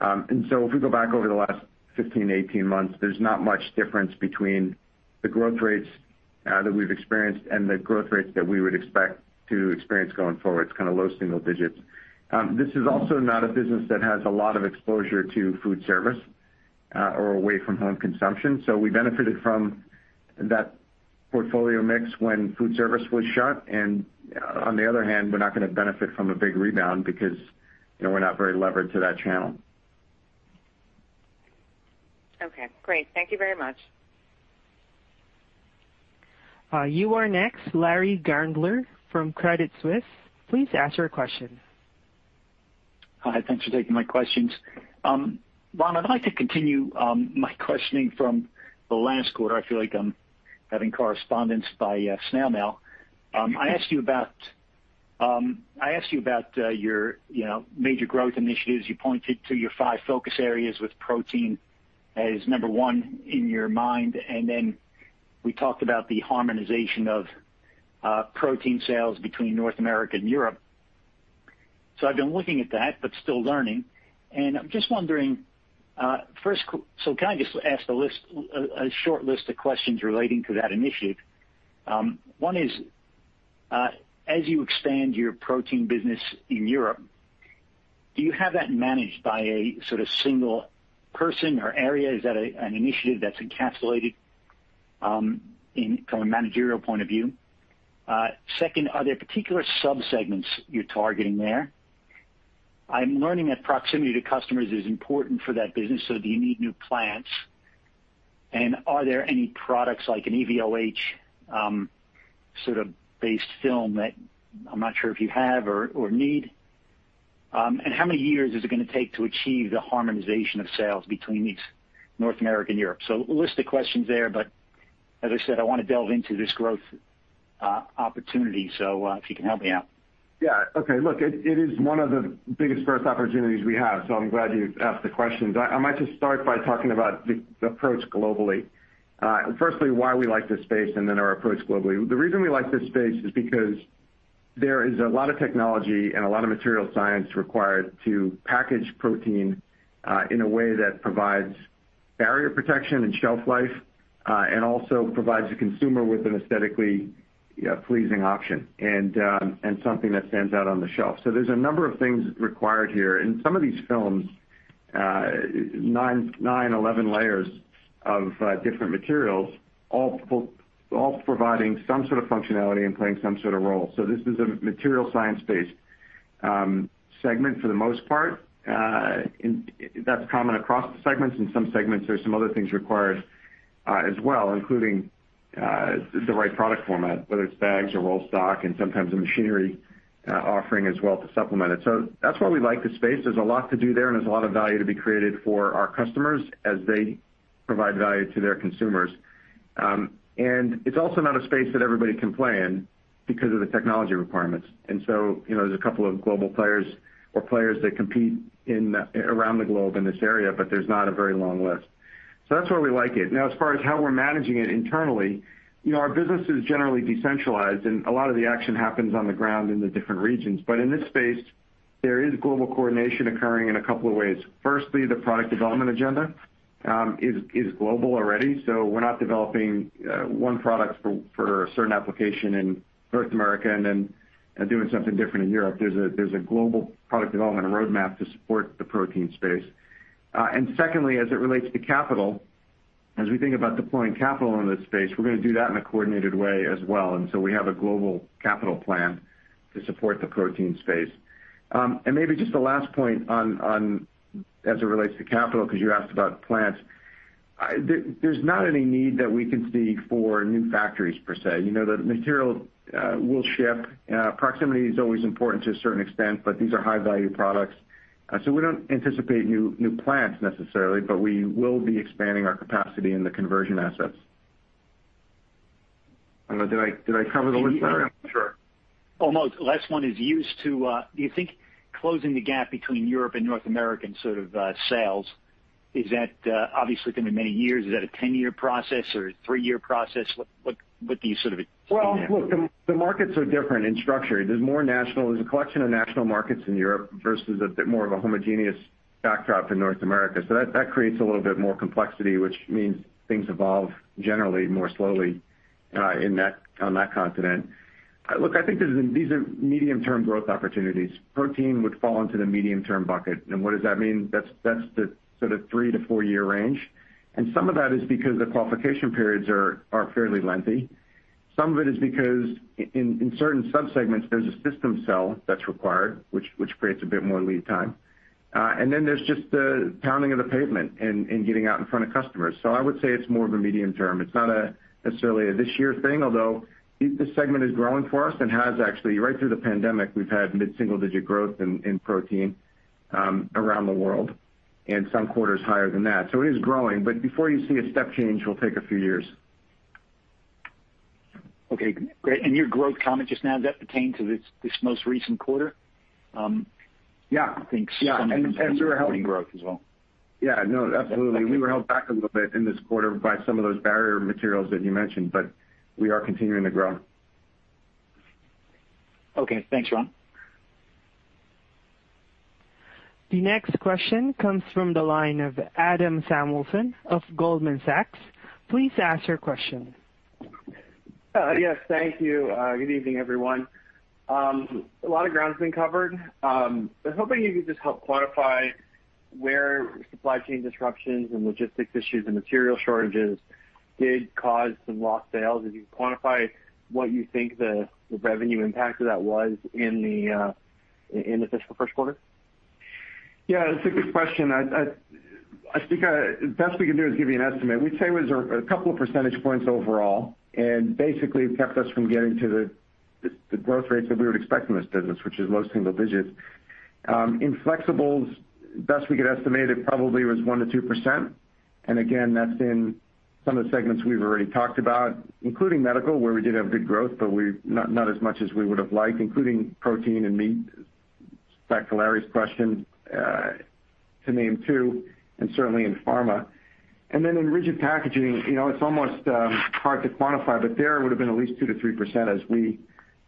If we go back over the last 15, 18 months, there's not much difference between the growth rates that we've experienced and the growth rates that we would expect to experience going forward. It's kind of low single digits. This is also not a business that has a lot of exposure to food service or away from home consumption. We benefited from that portfolio mix when food service was shut. On the other hand, we're not gonna benefit from a big rebound because, you know, we're not very levered to that channel. Okay, great. Thank you very much. You are next, Larry Gandler from Credit Suisse. Please ask your question. Hi. Thanks for taking my questions. Ron, I'd like to continue my questioning from the last quarter. I feel like I'm having correspondence by snail mail. I asked you about your major growth initiatives. You pointed to your five focus areas with protein as number one in your mind. Then we talked about the harmonization of protein sales between North America and Europe. I've been looking at that but still learning. I'm just wondering, first, can I just ask a short list of questions relating to that initiative? One is, as you expand your protein business in Europe, do you have that managed by a sort of single person or area? Is that an initiative that's encapsulated in from a managerial point of view? Second, are there particular sub-segments you're targeting there? I'm learning that proximity to customers is important for that business, so do you need new plants? Are there any products like an EVOH sort of based film that I'm not sure if you have or need? How many years is it gonna take to achieve the harmonization of sales between North America and Europe? A list of questions there, but as I said, I wanna delve into this growth opportunity. If you can help me out. Yeah. Okay. Look, it is one of the biggest growth opportunities we have, so I'm glad you asked the questions. I might just start by talking about the approach globally. Firstly, why we like this space and then our approach globally. The reason we like this space is because there is a lot of technology and a lot of material science required to package protein in a way that provides barrier protection and shelf life and also provides the consumer with an aesthetically pleasing option and something that stands out on the shelf. There's a number of things required here. In some of these films, 9-11 layers of different materials, all providing some sort of functionality and playing some sort of role. This is a material science-based segment for the most part. That's common across the segments. In some segments, there's some other things required, as well, including the right product format, whether it's bags or roll stock, and sometimes a machinery offering as well to supplement it. That's why we like this space. There's a lot to do there, and there's a lot of value to be created for our customers as they provide value to their consumers. It's also not a space that everybody can play in because of the technology requirements. You know, there's a couple of global players or players that compete around the globe in this area, but there's not a very long list. That's why we like it. Now, as far as how we're managing it internally, you know, our business is generally decentralized, and a lot of the action happens on the ground in the different regions. In this space, there is global coordination occurring in a couple of ways. Firstly, the product development agenda is global already. We're not developing one product for a certain application in North America and then doing something different in Europe. There's a global product development and roadmap to support the protein space. Secondly, as it relates to capital, as we think about deploying capital into the space, we're gonna do that in a coordinated way as well. We have a global capital plan to support the protein space. Maybe just the last point on as it relates to capital, because you asked about plants. There, there's not any need that we can see for new factories per se. You know, the material will ship. Proximity is always important to a certain extent, but these are high-value products. We don't anticipate new plants necessarily, but we will be expanding our capacity in the conversion assets. I don't know, did I cover the whole side? I'm not sure. Almost. Last one is used to do you think closing the gap between Europe and North American sort of sales, is that obviously gonna be many years? Is that a 10-year process or a 3-year process? What do you sort of envision there? Well, look, the markets are different in structure. There's a collection of national markets in Europe versus a bit more of a homogeneous backdrop in North America. That creates a little bit more complexity, which means things evolve generally more slowly on that continent. Look, I think these are medium-term growth opportunities. Protein would fall into the medium-term bucket. What does that mean? That's the sort of 3-4-year range. Some of that is because the qualification periods are fairly lengthy. Some of it is because in certain subsegments, there's a system sell that's required, which creates a bit more lead time. Then there's just the pounding of the pavement and getting out in front of customers. I would say it's more of a medium term. It's not necessarily a this year thing, although this segment is growing for us and has actually right through the pandemic, we've had mid-single digit growth in protein around the world, and some quarters higher than that. It is growing. Before you see a step change, it will take a few years. Okay, great. Your growth comment just now, does that pertain to this most recent quarter? Yeah. I think some of it. Yeah. We were held growth as well. Yeah. No, absolutely. We were held back a little bit in this quarter by some of those barrier materials that you mentioned, but we are continuing to grow. Okay. Thanks, Ron. The next question comes from the line of Adam Samuelson of Goldman Sachs. Please ask your question. Yes, thank you. Good evening, everyone. A lot of ground has been covered. I was hoping you could just help quantify where supply chain disruptions and logistics issues and material shortages did cause some lost sales. If you could quantify what you think the revenue impact of that was in the fiscal Q1. Yeah, that's a good question. I think the best we can do is give you an estimate. We'd say it was a couple of percentage points overall, and basically it kept us from getting to the growth rates that we would expect in this business, which is low single digits%. In flexibles, best we could estimate, it probably was 1 to 2%. Again, that's in some of the segments we've already talked about, including medical, where we did have good growth, but not as much as we would have liked, including protein and meat. Back to Larry's question, to name two, and certainly in pharma. Then in rigid packaging, you know, it's almost hard to quantify, but there it would have been at least 2 to 3% as we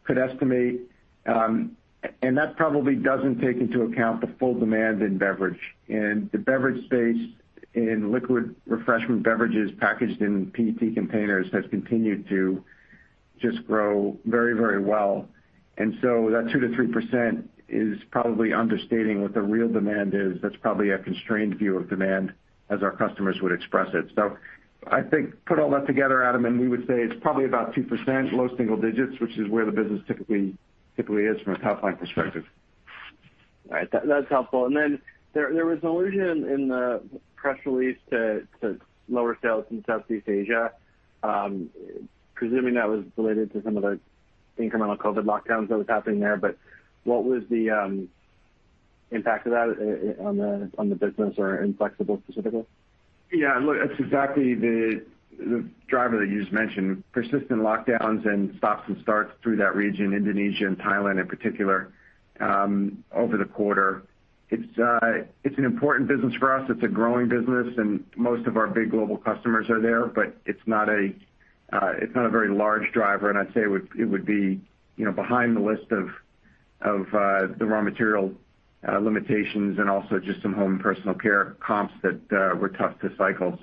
could estimate. That probably doesn't take into account the full demand in beverage. The beverage space in liquid refreshment beverages packaged in PET containers has continued to just grow very, very well. That 2 to 3% is probably understating what the real demand is. That's probably a constrained view of demand as our customers would express it. I think put all that together, Adam, and we would say it's probably about 2%, low single digits, which is where the business typically is from a top-line perspective. All right. That's helpful. Then there was an allusion in the press release to lower sales in Southeast Asia. Presuming that was related to some of the incremental COVID lockdowns that was happening there. What was the impact of that on the business or in Flexibles specifically? Yeah. Look, that's exactly the driver that you just mentioned. Persistent lockdowns and stops and starts through that region, Indonesia and Thailand in particular, over the quarter. It's an important business for us. It's a growing business, and most of our big global customers are there. But it's not a very large driver. And I'd say it would be, you know, behind the list of the raw material limitations and also just some home and personal care comps that were tough to cycle.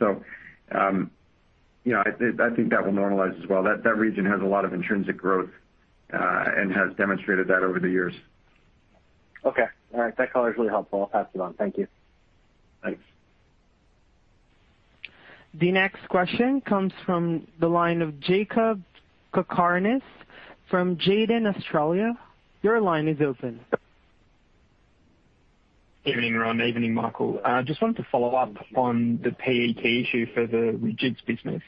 You know, I think that will normalize as well. That region has a lot of intrinsic growth and has demonstrated that over the years. Okay. All right. That color is really helpful. I'll pass it on. Thank you. Thanks. The next question comes from the line of Jakob Cakarnis from Jarden Australia. Your line is open. Evening, Ron. Evening, Michael. I just wanted to follow up on the PET issue for the rigids business.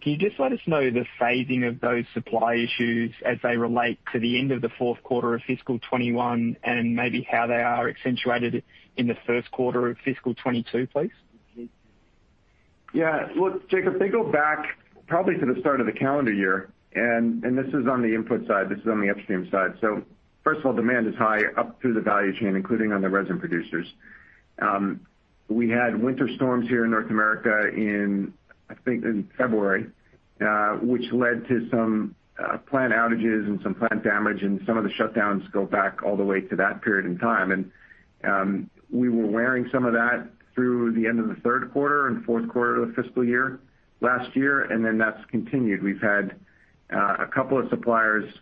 Can you just let us know the phasing of those supply issues as they relate to the end of the Q4 of fiscal 2021 and maybe how they are accentuated in the Q1 of fiscal 2022, please? Yeah. Look, Jakob, they go back probably to the start of the calendar year. This is on the input side. This is on the upstream side. First of all, demand is high up through the value chain, including on the resin producers. We had winter storms here in North America in, I think in February, which led to some plant outages and some plant damage, and some of the shutdowns go back all the way to that period in time. We were bearing some of that through the end of the Q3 and Q4 of the fiscal year, last year, and then that's continued. We've had a couple of suppliers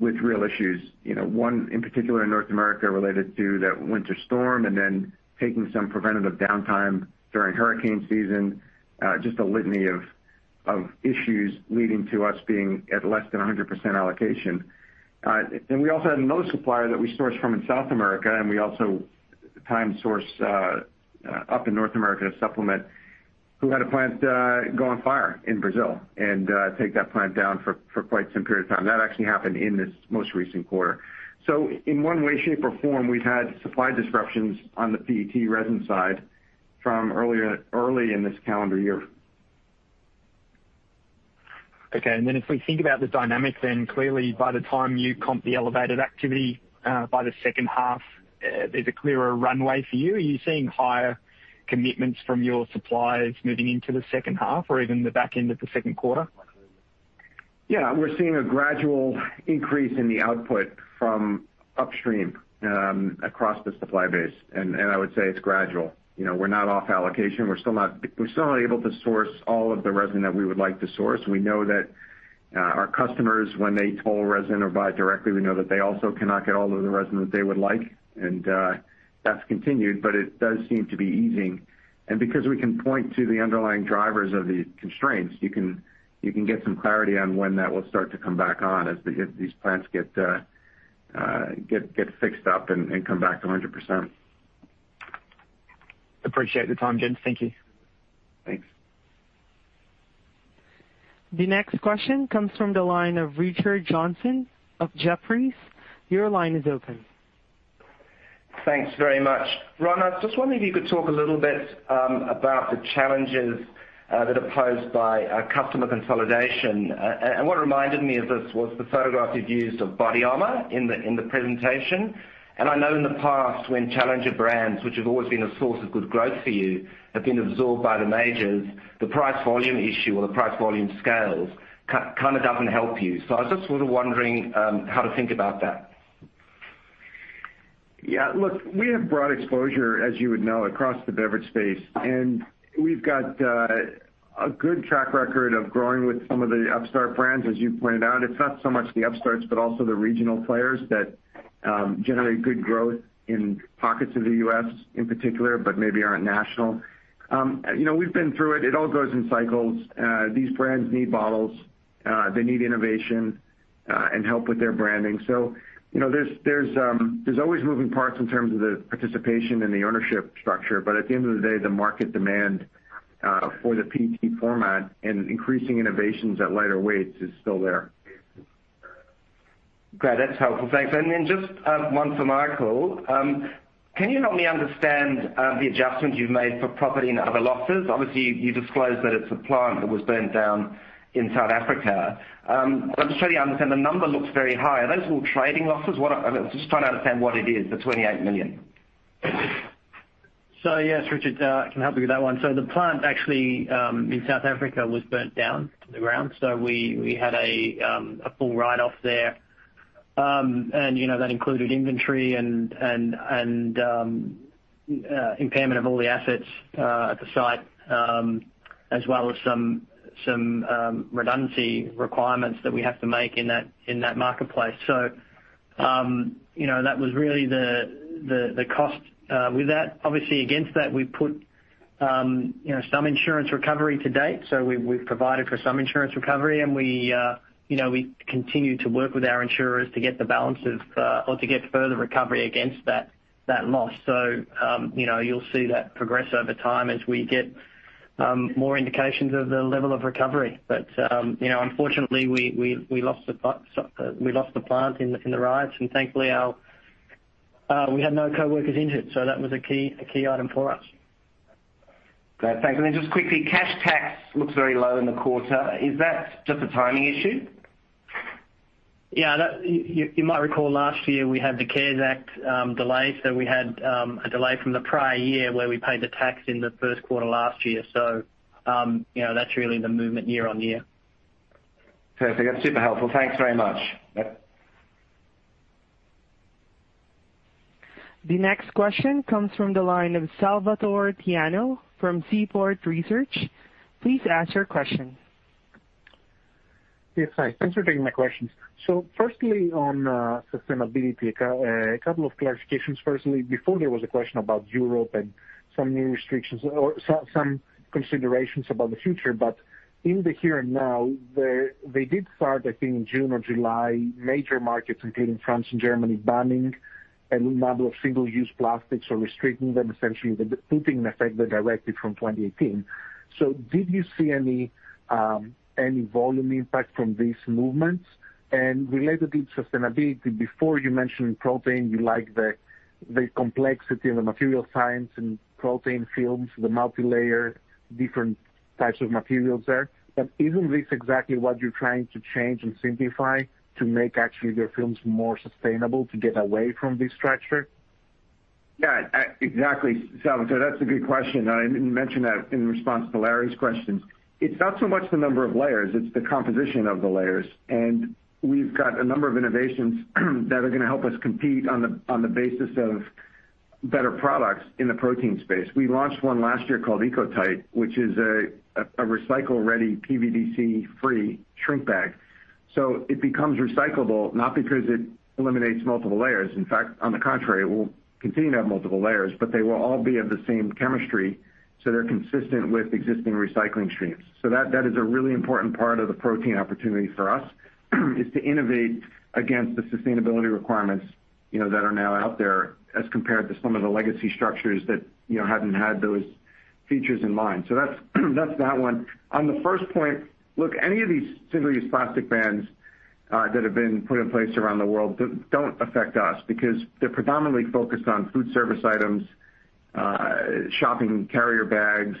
with real issues, you know, one in particular in North America related to that winter storm and then taking some preventative downtime during hurricane season. Just a litany of issues leading to us being at less than 100% allocation. We also had another supplier that we source from in South America, and we also try to source up in North America to supplement who had a plant catch fire in Brazil and take that plant down for quite some period of time. That actually happened in this most recent quarter. In one way, shape, or form, we've had supply disruptions on the PET resin side from early in this calendar year. Okay. If we think about the dynamics, then clearly by the time you comp the elevated activity, by the H2, there's a clearer runway for you. Are you seeing higher commitments from your suppliers moving into the H2 or even the back end of the Q2? Yeah. We're seeing a gradual increase in the output from upstream across the supply base. I would say it's gradual. You know, we're not off allocation. We're still not able to source all of the resin that we would like to source. We know that our customers, when they toll resin or buy directly, we know that they also cannot get all of the resin that they would like. That's continued, but it does seem to be easing. Because we can point to the underlying drivers of the constraints, you can get some clarity on when that will start to come back on as these plants get fixed up and come back to 100%. appreciate the time, Ron Delia. Thank you. Thanks. The next question comes from the line of Richard Johnson of Jefferies. Your line is open. Thanks very much. Ron, I was just wondering if you could talk a little bit about the challenges that are posed by a customer consolidation. What reminded me of this was the photograph you've used of Bodyarmor in the presentation. I know in the past when challenger brands, which have always been a source of good growth for you, have been absorbed by the majors, the price volume issue or the price volume scales kind of doesn't help you. I was just sort of wondering how to think about that. Yeah. Look, we have broad exposure, as you would know, across the beverage space, and we've got a good track record of growing with some of the upstart brands, as you pointed out. It's not so much the upstarts but also the regional players that generate good growth in pockets of the U.S. in particular but maybe aren't national. You know, we've been through it. It all goes in cycles. These brands need bottles. They need innovation and help with their branding. You know, there's always moving parts in terms of the participation and the ownership structure. At the end of the day, the market demand for the PET format and increasing innovations at lighter weights is still there. Great. That's helpful. Thanks. Just one for Michael. Can you help me understand the adjustment you've made for property and other losses? Obviously, you disclosed that it's a plant that was burnt down in South Africa. I'm just trying to understand. The number looks very high. Are those all trading losses? I'm just trying to understand what it is, the $28 million. Yes, Richard, I can help you with that one. The plant actually in South Africa was burnt down to the ground. We had a full write-off there. And you know, that included inventory and impairment of all the assets at the site as well as some redundancy requirements that we have to make in that marketplace. You know, that was really the cost with that. Obviously, against that, we put you know, some insurance recovery to date. We’ve provided for some insurance recovery, and we you know, we continue to work with our insurers to get the balances or to get further recovery against that loss. You know, you'll see that progress over time as we get more indications of the level of recovery. You know, unfortunately, we lost the plant in the riots, and thankfully, we had no coworkers injured, so that was a key item for us. Great. Thanks. Just quickly, cash tax looks very low in the quarter. Is that just a timing issue? Yeah. You might recall last year we had the CARES Act delay. We had a delay from the prior year where we paid the tax in the Q1 last year. You know, that's really the movement year-over-year. Perfect. That's super helpful. Thanks very much. Yep. The next question comes from the line of Salvator Tiano from Seaport Research. Please ask your question. Yes. Hi. Thanks for taking my questions. Firstly, on sustainability, a couple of clarifications. Firstly, before there was a question about Europe and some new restrictions or some considerations about the future. In the here and now, they did start, I think in June or July, major markets, including France and Germany, banning a new model of single-use plastics or restricting them, essentially putting in effect the directive from 2018. Did you see any volume impact from these movements? Related to sustainability, before you mentioned protein, you like the complexity of the material science and protein films, the multilayer different types of materials there. But isn't this exactly what you're trying to change and simplify to make actually your films more sustainable, to get away from this structure? Yeah, exactly, Salvator. That's a good question. I didn't mention that in response to Larry's questions. It's not so much the number of layers, it's the composition of the layers. We've got a number of innovations that are gonna help us compete on the basis of better products in the protein space. We launched one last year called Eco-Tite, which is a recycle-ready PVDC-free shrink bag. It becomes recyclable not because it eliminates multiple layers. In fact, on the contrary, it will continue to have multiple layers, but they will all be of the same chemistry, so they're consistent with existing recycling streams. That is a really important part of the protein opportunity for us, is to innovate against the sustainability requirements, you know, that are now out there as compared to some of the legacy structures that, you know, hadn't had those features in mind. That's that one. On the first point, look, any of these single-use plastic bans that have been put in place around the world don't affect us because they're predominantly focused on food service items, shopping carrier bags,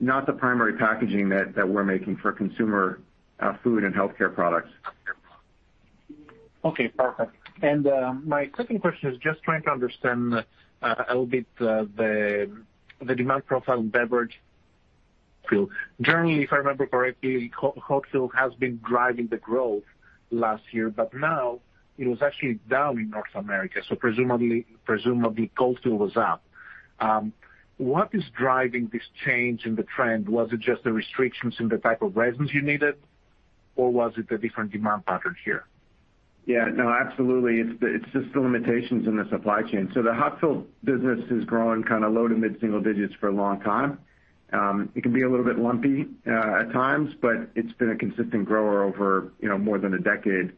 not the primary packaging that we're making for consumer food and healthcare products. Okay, perfect. My second question is just trying to understand a little bit the demand profile in beverage fill. Generally, if I remember correctly, hot fill has been driving the growth last year, but now it was actually down in North America, so presumably cold fill was up. What is driving this change in the trend? Was it just the restrictions in the type of resins you needed, or was it a different demand pattern here? Yeah, no, absolutely. It's just the limitations in the supply chain. The hot fill business has grown kind of low to mid-single digits for a long time. It can be a little bit lumpy at times, but it's been a consistent grower over, you know, more than a decade.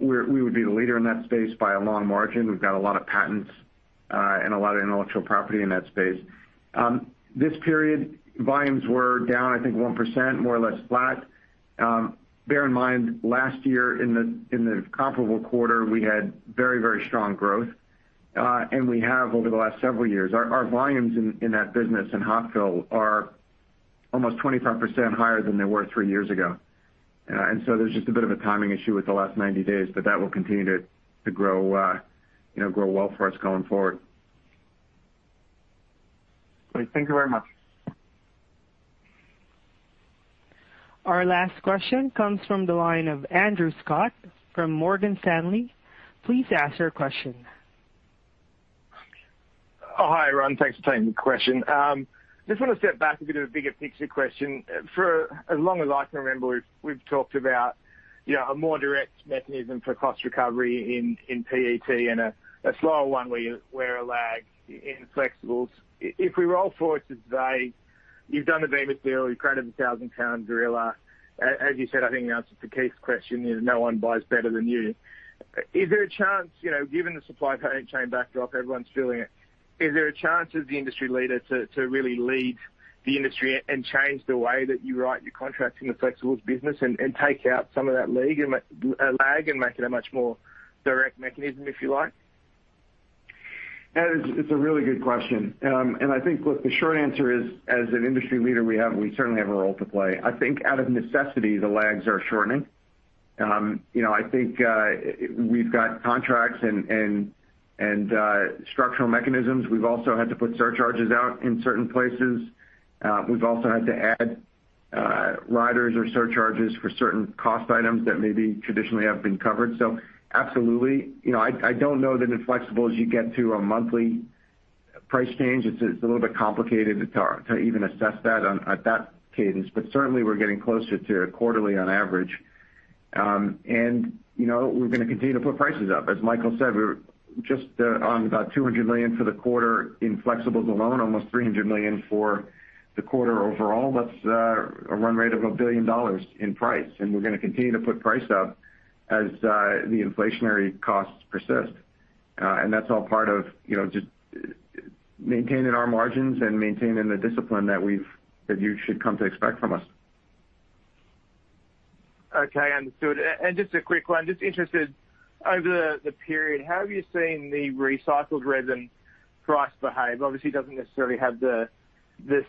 We would be the leader in that space by a long margin. We've got a lot of patents and a lot of intellectual property in that space. This period, volumes were down, I think 1%, more or less flat. Bear in mind, last year in the comparable quarter, we had very, very strong growth, and we have over the last several years. Our volumes in that business in hot fill are almost 25% higher than they were 3 years ago. There's just a bit of a timing issue with the last 90 days, but that will continue to grow, you know, grow well for us going forward. Great. Thank you very much. Our last question comes from the line of Andrew Scott from Morgan Stanley. Please ask your question. Oh, hi, everyone. Thanks for taking the question. Just wanna step back, a bit of a bigger picture question. For as long as I can remember, we've talked about, you know, a more direct mechanism for cost recovery in PET and a slower one where a lag in flexibles. If we roll forward to today, you've done the Bemis deal, you've created the thousand-pound gorilla. As you said, I think in answer to Keith's question, you know, no one buys better than you. Is there a chance, you know, given the supply chain backdrop, everyone's feeling it, is there a chance as the industry leader to really lead the industry and change the way that you write your contracts in the flexibles business and take out some of that lag and make it a much more direct mechanism, if you like? It's a really good question. I think, look, the short answer is, as an industry leader, we certainly have a role to play. I think out of necessity, the lags are shortening. You know, I think, we've got contracts and structural mechanisms. We've also had to put surcharges out in certain places. We've also had to add riders or surcharges for certain cost items that maybe traditionally have been covered. Absolutely. You know, I don't know that in flexibles you get to a monthly price change. It's a little bit complicated to even assess that at that cadence. Certainly, we're getting closer to quarterly on average. You know, we're gonna continue to put prices up. As Michael said, we're just on about $200 million for the quarter in flexibles alone, almost $300 million for the quarter overall. That's a run rate of $1 billion in price, and we're gonna continue to put price up as the inflationary costs persist. That's all part of, you know, just maintaining our margins and maintaining the discipline that you should come to expect from us. Okay, understood. Just a quick one. Just interested, over the period, how have you seen the recycled resin price behave? Obviously, it doesn't necessarily have the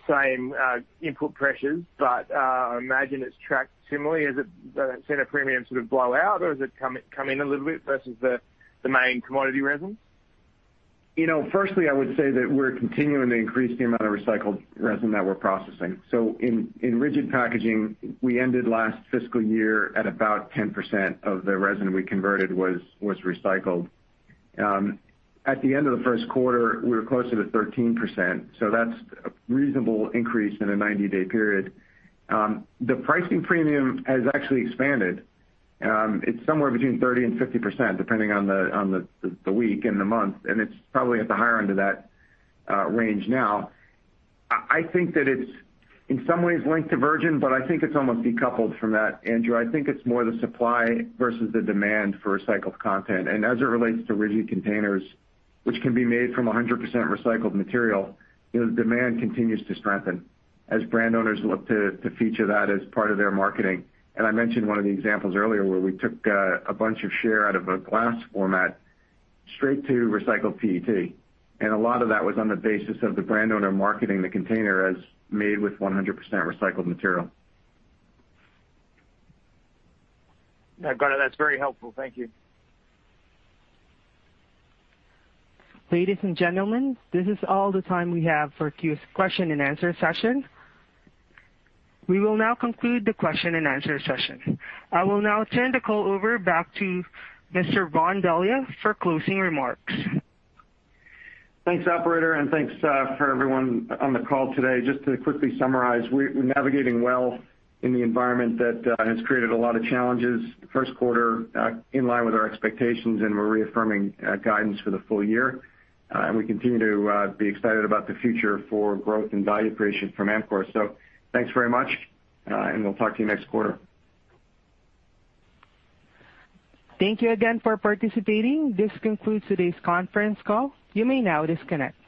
same input pressures, but I imagine it's tracked similarly. Has the secondary premium sort of blow out or has it come in a little bit versus the main commodity resins? You know, firstly, I would say that we're continuing to increase the amount of recycled resin that we're processing. In rigid packaging, we ended last fiscal year at about 10% of the resin we converted was recycled. At the end of the Q1, we were closer to 13%, so that's a reasonable increase in a 90-day period. The pricing premium has actually expanded. It's somewhere between 30% and 50%, depending on the week and the month, and it's probably at the higher end of that range now. I think that it's in some ways linked to virgin, but I think it's almost decoupled from that, Andrew. I think it's more the supply versus the demand for recycled content. As it relates to rigid containers, which can be made from 100% recycled material, you know, the demand continues to strengthen as brand owners look to feature that as part of their marketing. I mentioned one of the examples earlier where we took a bunch of share out of a glass format straight to recycled PET, and a lot of that was on the basis of the brand owner marketing the container as made with 100% recycled material. No, Ron Delia, that's very helpful. Thank you. Ladies and gentlemen, this is all the time we have for the question-and-answer session. We will now conclude the question-and-answer session. I will now turn the call back over to Mr. Ron Delia for closing remarks. Thanks, operator, and thanks for everyone on the call today. Just to quickly summarize, we're navigating well in the environment that has created a lot of challenges. Q1 in line with our expectations, and we're reaffirming guidance for the full year. We continue to be excited about the future for growth and value creation from Amcor. Thanks very much, and we'll talk to you next quarter. Thank you again for participating. This concludes today's conference call. You may now disconnect.